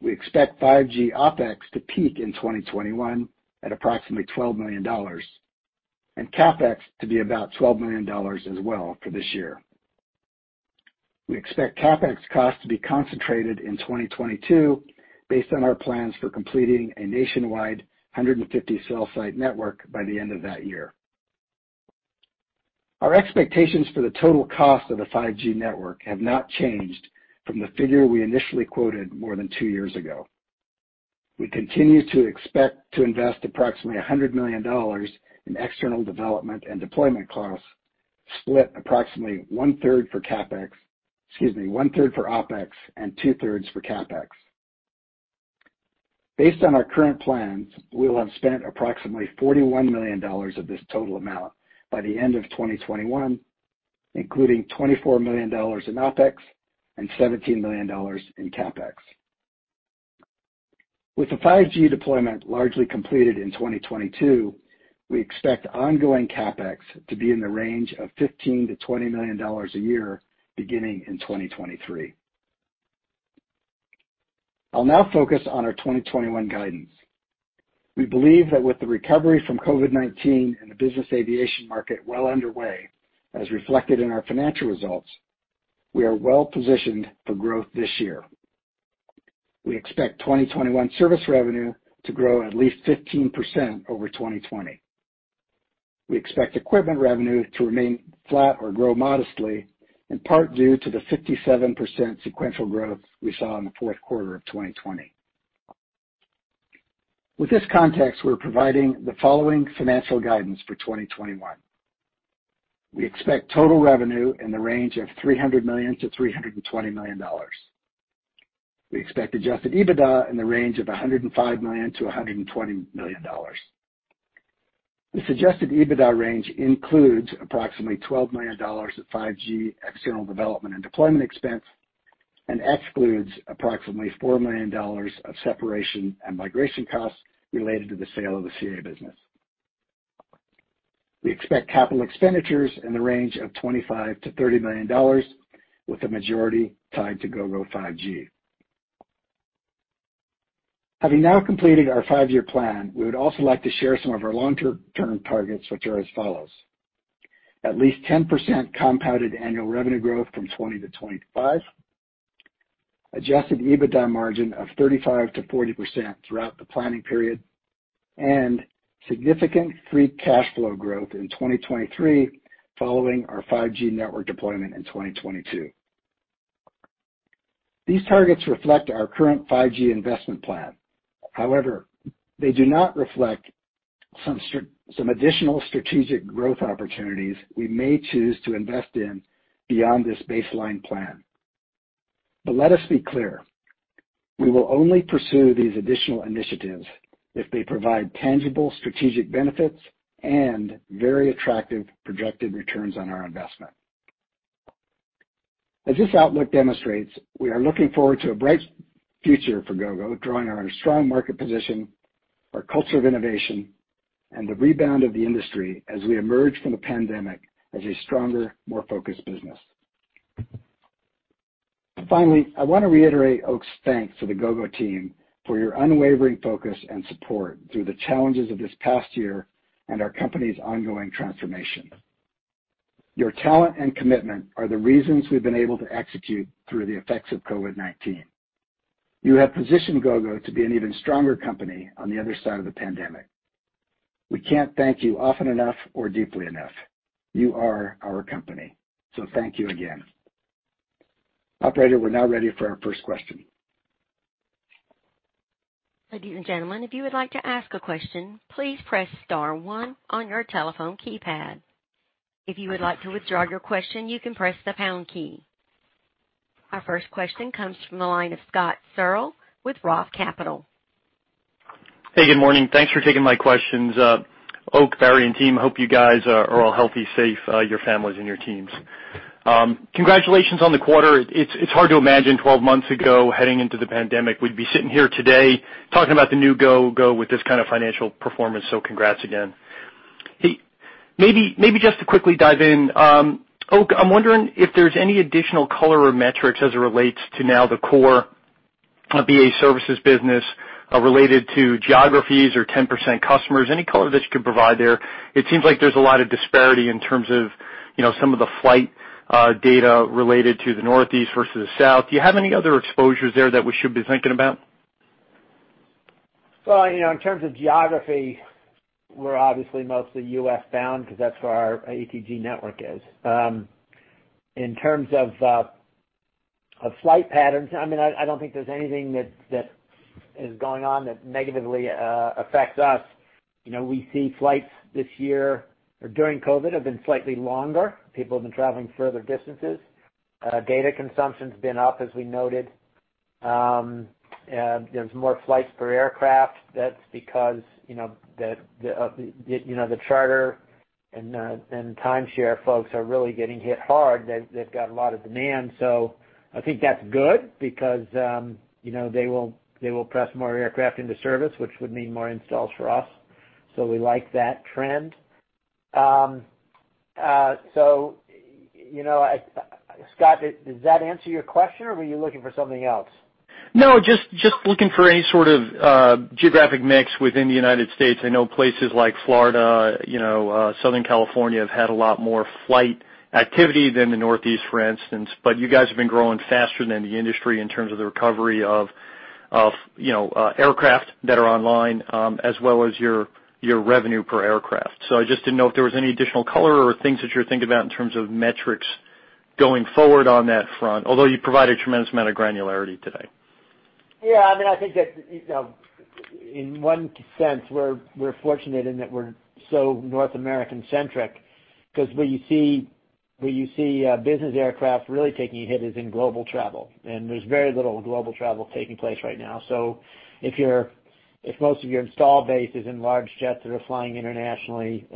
We expect 5G OpEx to peak in 2021 at approximately $12 million, and CapEx to be about $12 million as well for this year. We expect CapEx costs to be concentrated in 2022 based on our plans for completing a nationwide 150 cell site network by the end of that year. Our expectations for the total cost of the 5G network have not changed from the figure we initially quoted more than two years ago. We continue to expect to invest approximately $100 million in external development and deployment costs, split approximately 1/3 for CapEx, excuse me, 1/3 for OpEx and 2/3 for CapEx. Based on our current plans, we will have spent approximately $41 million of this total amount by the end of 2021, including $24 million in OpEx and $17 million in CapEx. With the 5G deployment largely completed in 2022, we expect ongoing CapEx to be in the range of $15 million-$20 million a year beginning in 2023. I'll now focus on our 2021 guidance. We believe that with the recovery from COVID-19 and the business aviation market well underway, as reflected in our financial results, we are well-positioned for growth this year. We expect 2021 service revenue to grow at least 15% over 2020. We expect equipment revenue to remain flat or grow modestly, in part due to the 57% sequential growth we saw in the fourth quarter of 2020. With this context, we're providing the following financial guidance for 2021. We expect total revenue in the range of $300 million-$320 million. We expect adjusted EBITDA in the range of $105 million-$120 million. The suggested EBITDA range includes $12 million of 5G external development and deployment expense and excludes $4 million of separation and migration costs related to the sale of the CA business. We expect capital expenditures in the range of $25 million-$30 million, with the majority tied to Gogo 5G. Having now completed our five-year plan, we would also like to share some of our long-term targets, which are as follows. At least 10% compounded annual revenue growth from 2020 to 2025, adjusted EBITDA margin of 35%-40% throughout the planning period, and significant free cash flow growth in 2023 following our 5G network deployment in 2022. These targets reflect our current 5G investment plan. However, they do not reflect some additional strategic growth opportunities we may choose to invest in beyond this baseline plan. Let us be clear, we will only pursue these additional initiatives if they provide tangible strategic benefits and very attractive projected returns on our investment. As this outlook demonstrates, we are looking forward to a bright future for Gogo, drawing on our strong market position, our culture of innovation, and the rebound of the industry as we emerge from the pandemic as a stronger, more focused business. Finally, I want to reiterate Oak's thanks to the Gogo team for your unwavering focus and support through the challenges of this past year and our company's ongoing transformation. Your talent and commitment are the reasons we've been able to execute through the effects of COVID-19. You have positioned Gogo to be an even stronger company on the other side of the pandemic. We can't thank you often enough or deeply enough. You are our company. Thank you again. Operator, we're now ready for our first question. Ladies and gentlemen, if you would like to ask a question, please press star one on your telephone keypad. If you would like to withdraw your question, you can press the pound key. Our first question comes from the line of Scott Searle with ROTH Capital. Hey, good morning. Thanks for taking my questions. Oak, Barry, and team, hope you guys are all healthy, safe, your families and your teams. Congratulations on the quarter. It's hard to imagine 12 months ago, heading into the pandemic, we'd be sitting here today talking about the new Gogo with this kind of financial performance, so congrats again. Maybe just to quickly dive in. Oak, I'm wondering if there's any additional color or metrics as it relates to now the core BA services business related to geographies or 10% customers, any color that you could provide there? It seems like there's a lot of disparity in terms of some of the flight data related to the Northeast versus South. Do you have any other exposures there that we should be thinking about? In terms of geography, we're obviously mostly U.S.-bound because that's where our ATG network is. In terms of flight patterns, I don't think there's anything that is going on that negatively affects us. We see flights this year, or during COVID, have been slightly longer. People have been traveling further distances. Data consumption's been up, as we noted. There's more flights per aircraft. That's because the charter and timeshare folks are really getting hit hard. They've got a lot of demand. I think that's good because they will press more aircraft into service, which would mean more installs for us. We like that trend. Scott, does that answer your question, or were you looking for something else? No, just looking for any sort of geographic mix within the United States. I know places like Florida, Southern California, have had a lot more flight activity than the Northeast, for instance. You guys have been growing faster than the industry in terms of the recovery of aircraft that are online, as well as your revenue per aircraft. I just didn't know if there was any additional color or things that you were thinking about in terms of metrics going forward on that front, although you provided a tremendous amount of granularity today. Yeah. I think that, in one sense, we're fortunate in that we're so North American-centric, because where you see business aircraft really taking a hit is in global travel, and there's very little global travel taking place right now. If most of your install base is in large jets that are flying internationally,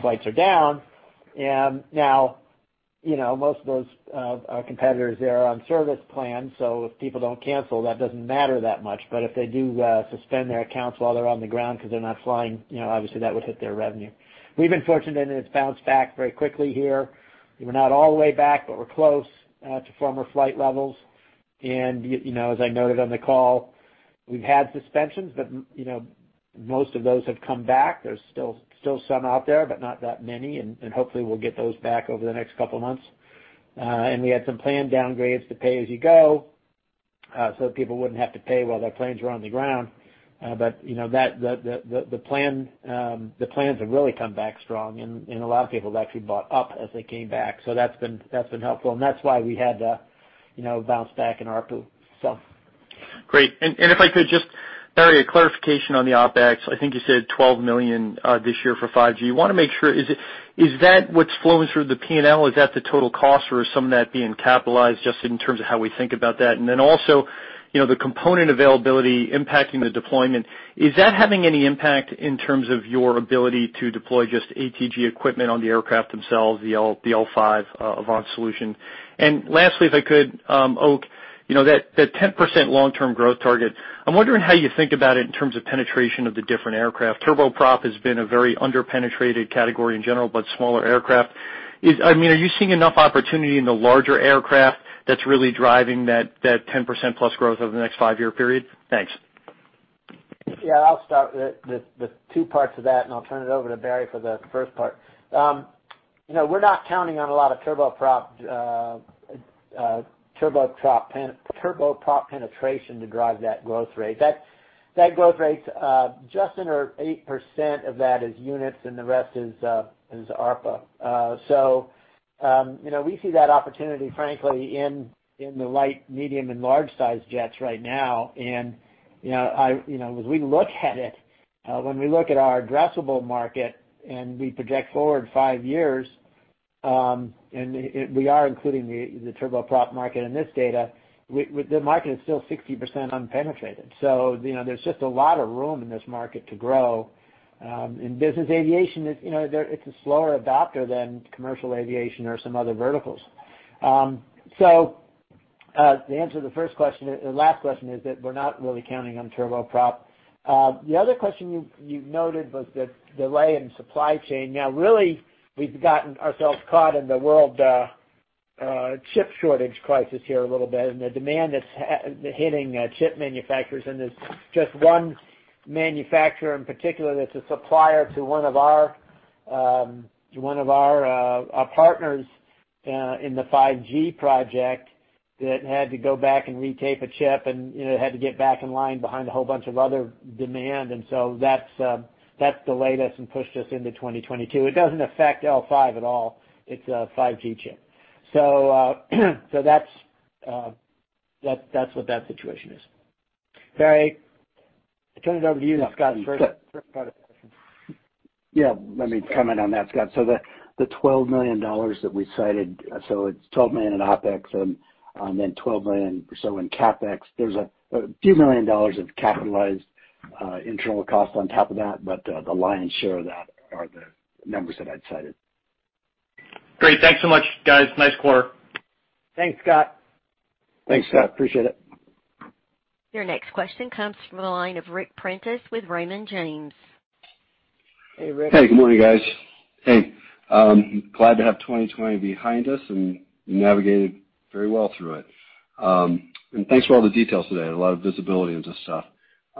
flights are down. Now, most of those competitors, they're on service plans, so if people don't cancel, that doesn't matter that much. If they do suspend their accounts while they're on the ground because they're not flying, obviously that would hit their revenue. We've been fortunate, and it's bounced back very quickly here. We're not all the way back, but we're close to former flight levels. As I noted on the call, we've had suspensions, but most of those have come back. There's still some out there, but not that many, and hopefully we'll get those back over the next couple of months. We had some planned downgrades to pay-as-you-go, so people wouldn't have to pay while their planes were on the ground. The plans have really come back strong, and a lot of people have actually bought up as they came back. That's been helpful, and that's why we had the bounce back in ARPU. Great. If I could just, Barry, a clarification on the OpEx. I think you said $12 million this year for 5G. Wanna make sure, is that what's flowing through the P&L? Is that the total cost, or is some of that being capitalized, just in terms of how we think about that? Then also, the component availability impacting the deployment, is that having any impact in terms of your ability to deploy just ATG equipment on the aircraft themselves, the AVANCE L5 solution? Lastly, if I could, Oak, that 10% long-term growth target, I'm wondering how you think about it in terms of penetration of the different aircraft. Turboprop has been a very under-penetrated category in general, but smaller aircraft. Are you seeing enough opportunity in the larger aircraft that's really driving that 10%+ growth over the next five-year period? Thanks. Yeah, I'll start with the two parts of that, and I'll turn it over to Barry for the first part. We're not counting on a lot of turboprop penetration to drive that growth rate. That growth rate's just under 8% of that is units, and the rest is ARPA. We see that opportunity, frankly, in the light, medium, and large-size jets right now. As we look at it, when we look at our addressable market, and we project forward five years, and we are including the turboprop market in this data, the market is still 60% unpenetrated. There's just a lot of room in this market to grow. Business aviation, it's a slower adopter than commercial aviation or some other verticals. To answer the last question is that we're not really counting on turboprop. The other question you noted was the delay in supply chain. Really, we've gotten ourselves caught in the world chip shortage crisis here a little bit, and the demand that's hitting chip manufacturers, and there's just one manufacturer in particular that's a supplier to one of our partners in the 5G project that had to go back and retape a chip and had to get back in line behind a whole bunch of other demand. That's delayed us and pushed us into 2022. It doesn't affect L5 at all. It's a 5G chip. That's what that situation is. Barry, I'll turn it over to you on Scott's first part of the question. Yeah, let me comment on that, Scott. The $12 million that we cited, so it's $12 million in OpEx, and then $12 million or so in CapEx. There's a few million dollars of capitalized internal cost on top of that, but the lion's share of that are the numbers that I'd cited. Great. Thanks so much, guys. Nice quarter. Thanks, Scott. Thanks, Scott. Appreciate it. Your next question comes from the line of Ric Prentiss with Raymond James. Hey, Ric. Good morning, guys. Hey. Glad to have 2020 behind us, you navigated very well through it. Thanks for all the details today. A lot of visibility into stuff.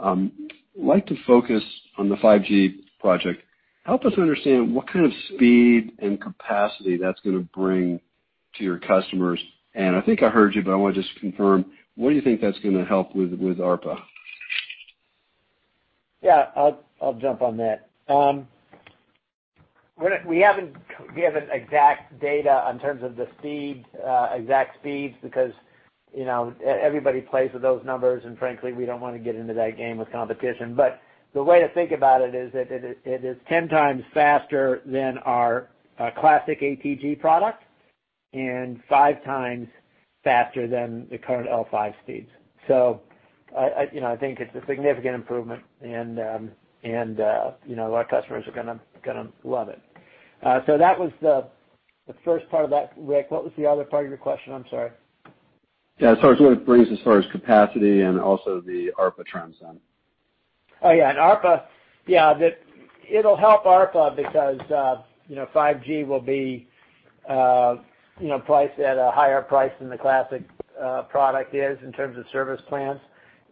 I'd like to focus on the 5G project. Help us understand what kind of speed and capacity that's going to bring to your customers. I think I heard you, but I want to just confirm, what do you think that's going to help with ARPA? Yeah, I'll jump on that. We have exact data in terms of the exact speeds, because everybody plays with those numbers, and frankly, we don't want to get into that game with competition. The way to think about it is that it is 10 times faster than our classic ATG product and five times faster than the current AVANCE L5 speeds. I think it's a significant improvement and our customers are going to love it. That was the first part of that, Ric. What was the other part of your question? I'm sorry. Yeah. As far as what it brings as far as capacity and also the ARPA trends then. Oh, yeah. It'll help ARPA because 5G will be priced at a higher price than the classic product is in terms of service plans.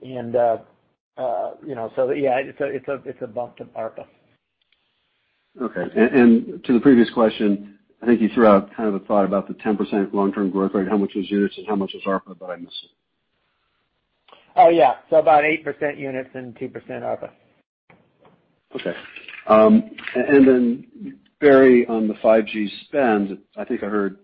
Yeah, it's a bump to ARPA. Okay. To the previous question, I think you threw out kind of a thought about the 10% long-term growth rate, how much was units and how much was ARPA. I missed it. Oh, yeah. About 8% units and 2% ARPA. Okay. Barry, on the 5G spend, I think I heard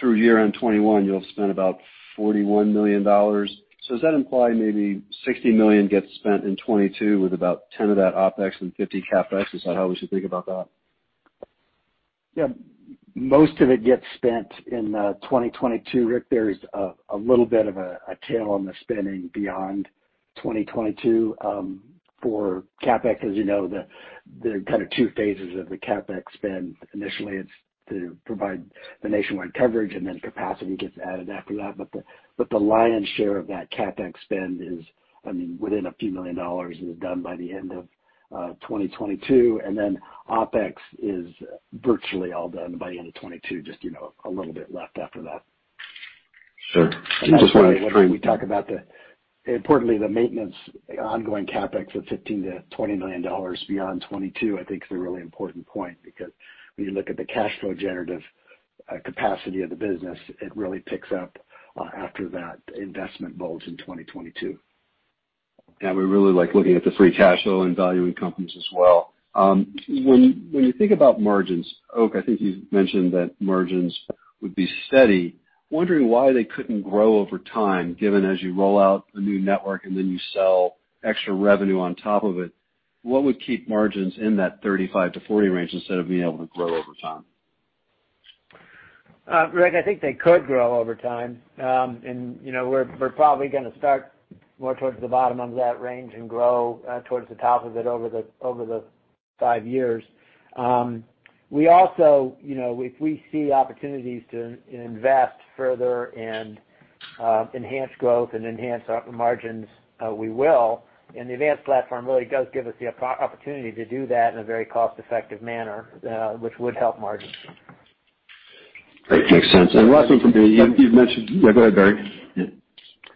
through year-end 2021, you'll have spent about $41 million. Does that imply maybe $60 million gets spent in 2022 with about 10 of that OpEx and 50 CapEx? Is that how we should think about that? Most of it gets spent in 2022, Ric. There's a little bit of a tail on the spending beyond 2022. For CapEx, as you know, there are kind of two phases of the CapEx spend. Initially, it's to provide the nationwide coverage, and then capacity gets added after that. The lion's share of that CapEx spend is, within a few million dollars, is done by the end of 2022, and then OpEx is virtually all done by the end of 2022, just a little bit left after that. Sure. That's why when we talk about, importantly, the maintenance ongoing CapEx of $15 million-$20 million beyond 2022, I think, is the really important point, because when you look at the cash flow generative capacity of the business, it really picks up after that investment bulge in 2022. Yeah, we really like looking at the free cash flow and valuing companies as well. When you think about margins, Oak, I think you've mentioned that margins would be steady. Wondering why they couldn't grow over time, given as you roll out a new network and then you sell extra revenue on top of it. What would keep margins in that 35%-40% range instead of being able to grow over time? Ric, I think they could grow over time. We're probably going to start more towards the bottom of that range and grow towards the top of it over the five years. We also, if we see opportunities to invest further and enhance growth and enhance our margins, we will. The AVANCE platform really does give us the opportunity to do that in a very cost-effective manner, which would help margins. Great. Makes sense. Last one for me. Yeah, go ahead, Barry.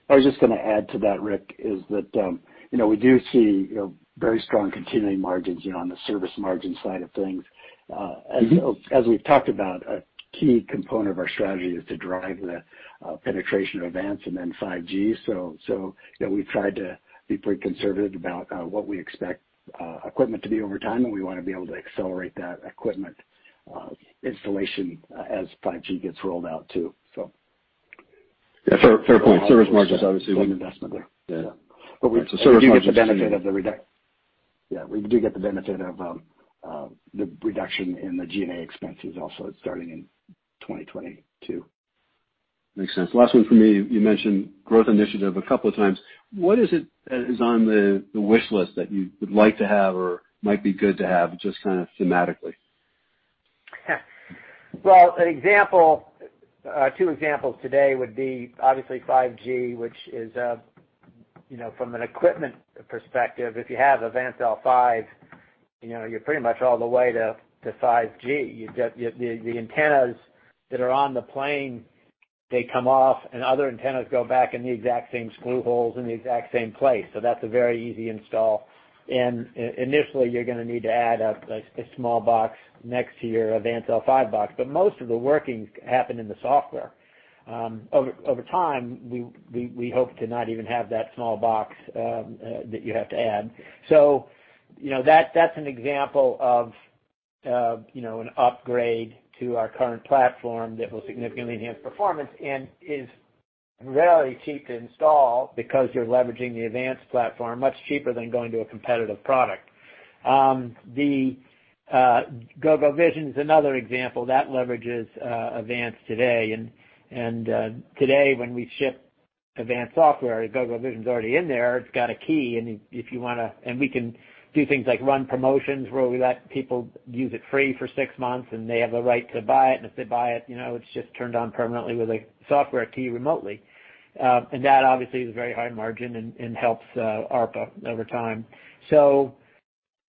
I was just going to add to that, Ric, is that we do see very strong continuing margins on the service margin side of things. As we've talked about, a key component of our strategy is to drive the penetration of AVANCE and then 5G. We've tried to be pretty conservative about what we expect equipment to be over time, and we want to be able to accelerate that equipment installation as 5G gets rolled out, too. Yeah, fair point. Service margin. There's obviously an investment there. Yeah. We do get the benefit of the reduction in the G&A expenses, also, starting in 2022. Makes sense. Last one for me. You mentioned growth initiative a couple of times. What is it that is on the wish list that you would like to have or might be good to have, just thematically? Two examples today would be obviously 5G, which is, from an equipment perspective, if you have AVANCE L5, you're pretty much all the way to 5G. The antennas that are on the plane, they come off, and other antennas go back in the exact same screw holes in the exact same place. That's a very easy install. Initially, you're going to need to add a small box next to your AVANCE L5 box. Most of the workings happen in the software. Over time, we hope to not even have that small box that you have to add. That's an example of an upgrade to our current platform that will significantly enhance performance and is very cheap to install because you're leveraging the AVANCE platform, much cheaper than going to a competitive product. The Gogo Vision is another example. That leverages AVANCE today. Today, when we ship AVANCE software, Gogo Vision's already in there. It's got a key, and we can do things like run promotions where we let people use it free for six months, and they have the right to buy it. If they buy it's just turned on permanently with a software key remotely. That obviously is very high margin and helps ARPA over time.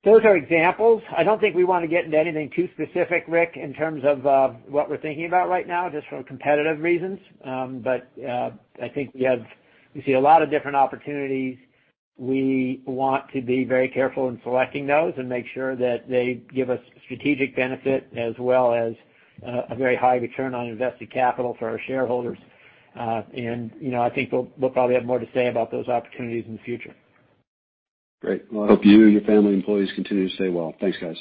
Those are examples. I don't think we want to get into anything too specific, Ric, in terms of what we're thinking about right now, just from competitive reasons. I think we see a lot of different opportunities. We want to be very careful in selecting those and make sure that they give us strategic benefit as well as a very high return on invested capital for our shareholders. I think we'll probably have more to say about those opportunities in the future. Great. Well, I hope you and your family, employees continue to stay well. Thanks, guys.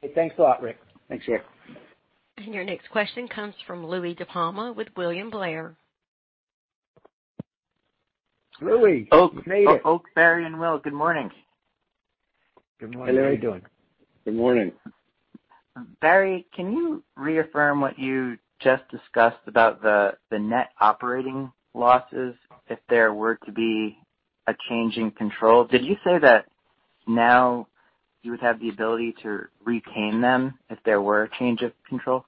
Hey, thanks a lot, Ric. Thanks, Ric. Your next question comes from Louie DiPalma with William Blair. Louie, you made it. Oak, Barry, and Will, good morning. Good morning. How are you doing? Good morning. Barry, can you reaffirm what you just discussed about the net operating losses if there were to be a change in control? Did you say that now you would have the ability to retain them if there were a change of control?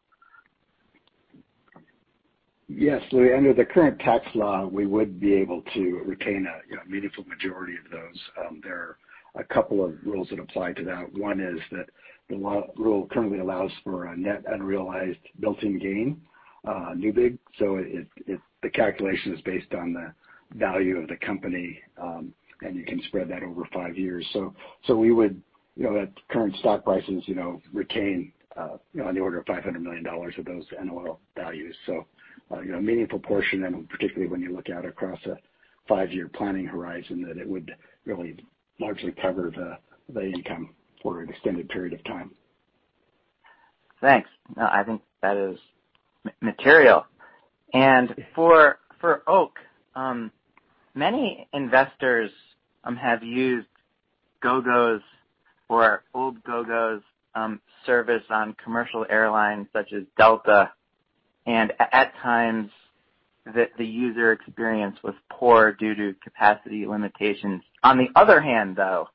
Yes, Louie. Under the current tax law, we would be able to retain a meaningful majority of those. There are a couple of rules that apply to that. One is that the rule currently allows for a net unrealized built-in gain, NUBIG. The calculation is based on the value of the company, and you can spread that over five years. We would, at current stock prices, retain on the order of $500 million of those NOL values. A meaningful portion, and particularly when you look out across a five-year planning horizon, that it would really largely cover the income for an extended period of time. Thanks. No, I think that is material. For Oak, many investors have used Gogo's or old Gogo's service on commercial airlines such as Delta, and at times, the user experience was poor due to capacity limitations. On the other hand, though,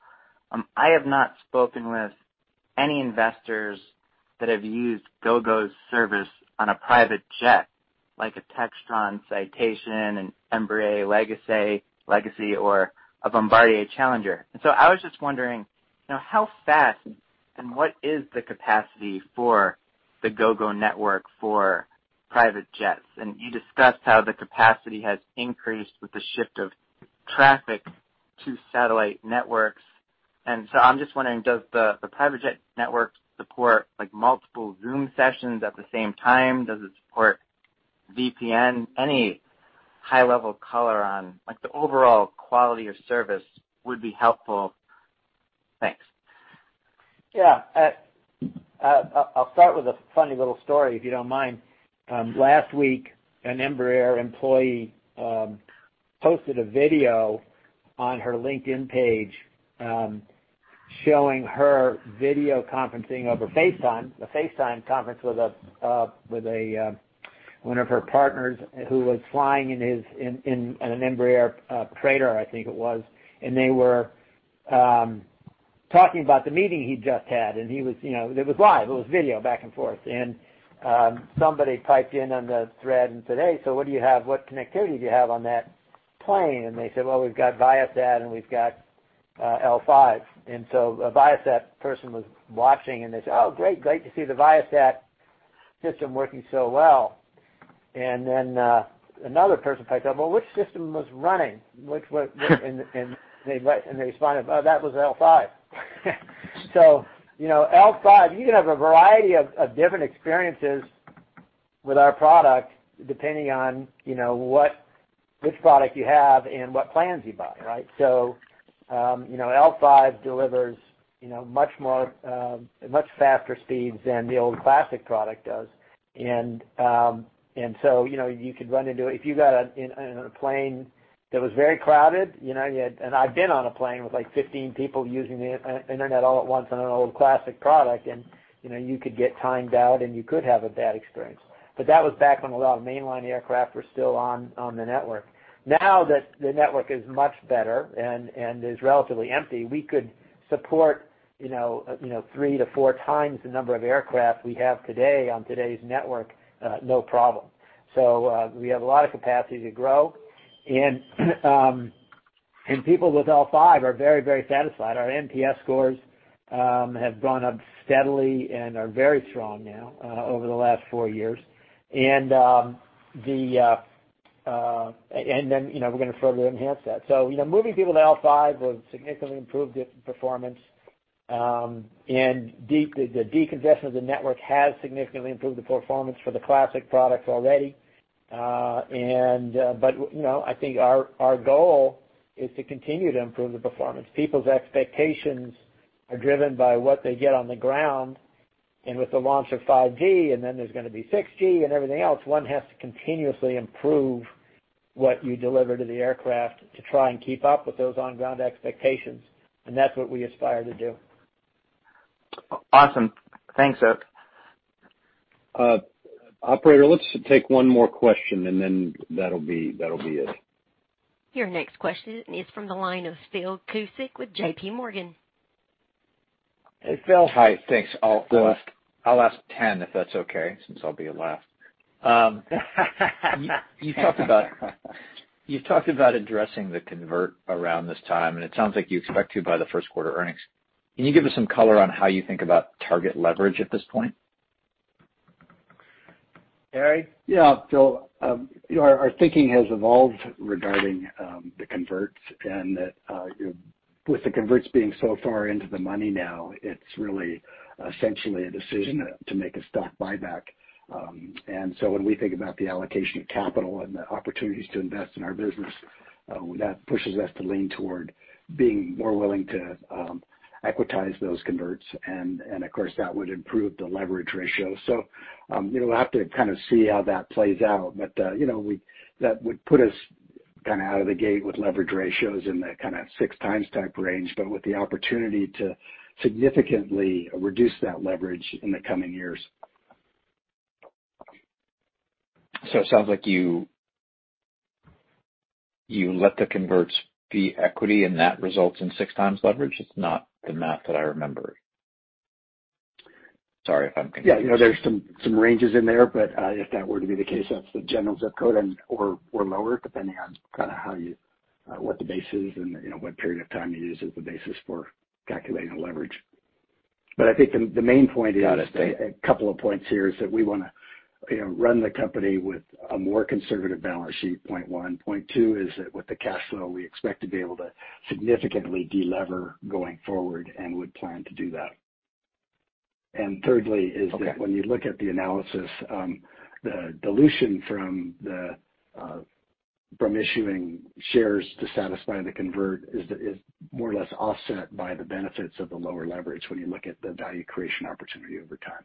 I have not spoken with any investors that have used Gogo's service on a private jet, like a Cessna Citation, an Embraer Legacy, or a Bombardier Challenger. I was just wondering how fast, and what is the capacity for the Gogo network for private jets? You discussed how the capacity has increased with the shift of traffic to satellite networks. I'm just wondering, does the private jet network support multiple Zoom sessions at the same time? Does it support VPN? Any high-level color on the overall quality of service would be helpful. Thanks. Yeah. I'll start with a funny little story, if you don't mind. Last week, an Embraer employee posted a video on her LinkedIn page, showing her video conferencing over FaceTime, a FaceTime conference with one of her partners who was flying in an Embraer Praetor, I think it was, and they were talking about the meeting he just had. It was live. It was video back and forth. Somebody piped in on the thread and said, "Hey, so what do you have? What connectivity do you have on that plane?" They said, "Well, we've got Viasat, and we've got L5." A Viasat person was watching, and they said, "Oh, great to see the Viasat system working so well." Another person piped up, "Well, which system was running?" They responded, "Oh, that was L5." L5, you can have a variety of different experiences with our product depending on which product you have and what plans you buy, right? L5 delivers much faster speeds than the old classic product does. If you got on a plane that was very crowded, and I've been on a plane with 15 people using the internet all at once on an old classic product, and you could get timed out, and you could have a bad experience. That was back when a lot of mainline aircraft were still on the network. Now that the network is much better and is relatively empty, we could support three to four times the number of aircraft we have today on today's network, no problem. We have a lot of capacity to grow. People with AVANCE L5 are very satisfied. Our NPS scores have gone up steadily and are very strong now over the last four years. Then we're going to further enhance that. Moving people to AVANCE L5 will significantly improve the performance. The decongestion of the network has significantly improved the performance for the classic product already. I think our goal is to continue to improve the performance. People's expectations are driven by what they get on the ground, with the launch of 5G, there's going to be 6G and everything else, one has to continuously improve what you deliver to the aircraft to try and keep up with those on-ground expectations. That's what we aspire to do. Awesome. Thanks, Oak. Operator, let's take one more question, and then that'll be it. Your next question is from the line of Phil Cusick with JPMorgan. Hey, Phil. Hi. Thanks. I'll ask 10 if that's okay, since I'll be last. You talked about addressing the convert around this time, and it sounds like you expect to by the first quarter earnings. Can you give us some color on how you think about target leverage at this point? Barry? Yeah, Phil. Our thinking has evolved regarding the converts, that with the converts being so far into the money now, it's really essentially a decision to make a stock buyback. When we think about the allocation of capital and the opportunities to invest in our business, that pushes us to lean toward being more willing to equitize those converts. Of course, that would improve the leverage ratio. We'll have to kind of see how that plays out. That would put us out of the gate with leverage ratios in the 6x type range, with the opportunity to significantly reduce that leverage in the coming years. It sounds like you let the converts be equity, and that results in 6x leverage. It's not the math that I remember. Sorry if I'm confused. Yeah. There's some ranges in there, but if that were to be the case, that's the general zip code and/or lower, depending on what the base is and what period of time you use as the basis for calculating the leverage. I think the main point is Got it. A couple of points here is that we want to run the company with a more conservative balance sheet, point one. Point two is that with the cash flow, we expect to be able to significantly de-lever going forward and would plan to do that. Okay And thirdly, when you look at the analysis, the dilution from issuing shares to satisfy the convert is more or less offset by the benefits of the lower leverage when you look at the value creation opportunity over time.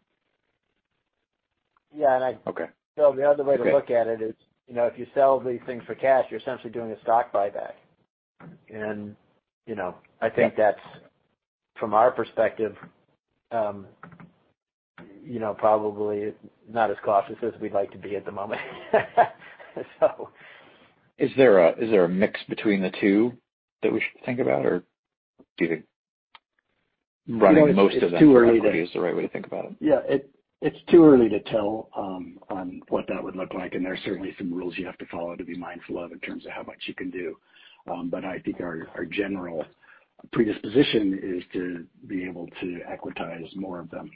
Okay. Phil, the other way to look at it is, if you sell these things for cash, you're essentially doing a stock buyback. I think that's from our perspective probably not as cautious as we'd like to be at the moment. Is there a mix between the two that we should think about? It's too early to- is the right way to think about it? Yeah. It's too early to tell on what that would look like, and there are certainly some rules you have to follow to be mindful of in terms of how much you can do. I think our general predisposition is to be able to equitize more of them.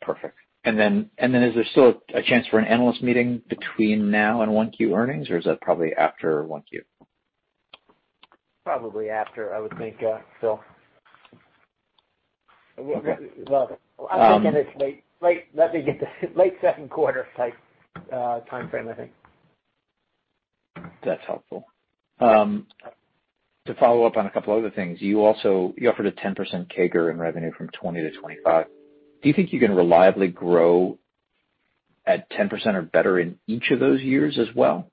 Perfect. Is there still a chance for an analyst meeting between now and 1Q earnings, or is that probably after 1Q? Probably after, I would think, Phil. Okay. I think it is late second quarter type timeframe, I think. That's helpful. To follow up on a couple other things, you offered a 10% CAGR in revenue from 2020 to 2025. Do you think you can reliably grow at 10% or better in each of those years as well?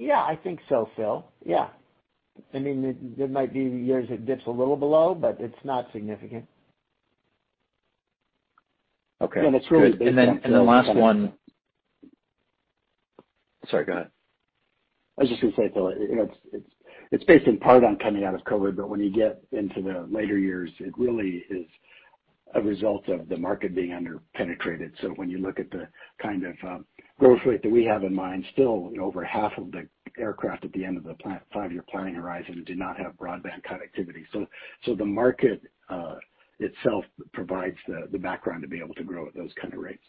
I think so, Phil. Yeah. There might be years it dips a little below, but it's not significant. Okay. Good. it's really based on- The last one. Sorry, go ahead. I was just going to say, Phil, it's based in part on coming out of COVID-19, but when you get into the later years, it really is a result of the market being under-penetrated. When you look at the kind of growth rate that we have in mind, still over half of the aircraft at the end of the five-year planning horizon do not have broadband connectivity. The market itself provides the background to be able to grow at those kind of rates.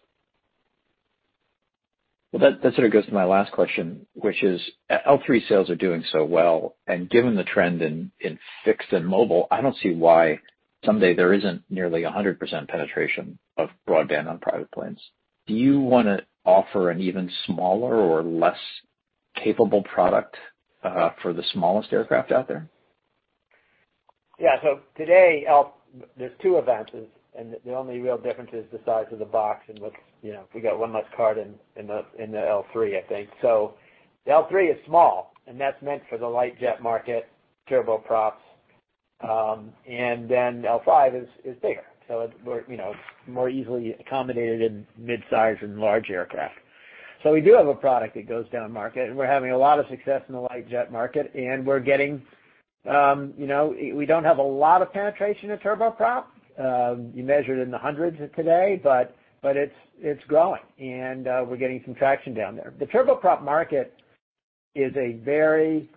Well, that sort of goes to my last question, which is L3 sales are doing so well, and given the trend in fixed and mobile, I don't see why someday there isn't nearly 100% penetration of broadband on private planes. Do you want to offer an even smaller or less capable product for the smallest aircraft out there? Yeah. Today, there are two AVANCE, and the only real difference is the size of the box and if we got one less card in the L3, I think. The L3 is small, and that's meant for the light jet market, turboprops. L5 is bigger, so it's more easily accommodated in mid-size and large aircraft. We do have a product that goes down market, and we're having a lot of success in the light jet market, and we don't have a lot of penetration of turboprop. You measure it in the hundreds today, but it's growing, and we're getting some traction down there. The turboprop market is a very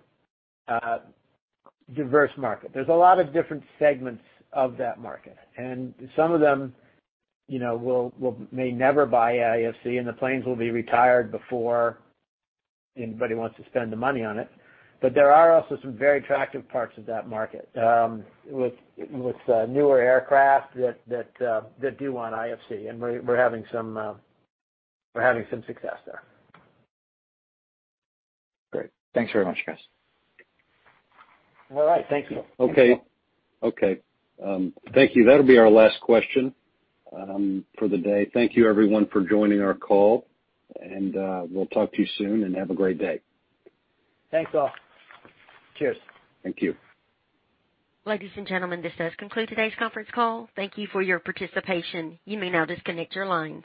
diverse market. There's a lot of different segments of that market, and some of them may never buy IFC, and the planes will be retired before anybody wants to spend the money on it. There are also some very attractive parts of that market with newer aircraft that do want IFC, and we're having some success there. Great. Thanks very much, guys. All right. Thanks, Phil. Okay. Thank you. That'll be our last question for the day. Thank you everyone for joining our call, and we'll talk to you soon, and have a great day. Thanks, all. Cheers. Thank you. Ladies and gentlemen, this does conclude today's conference call. Thank you for your participation. You may now disconnect your lines.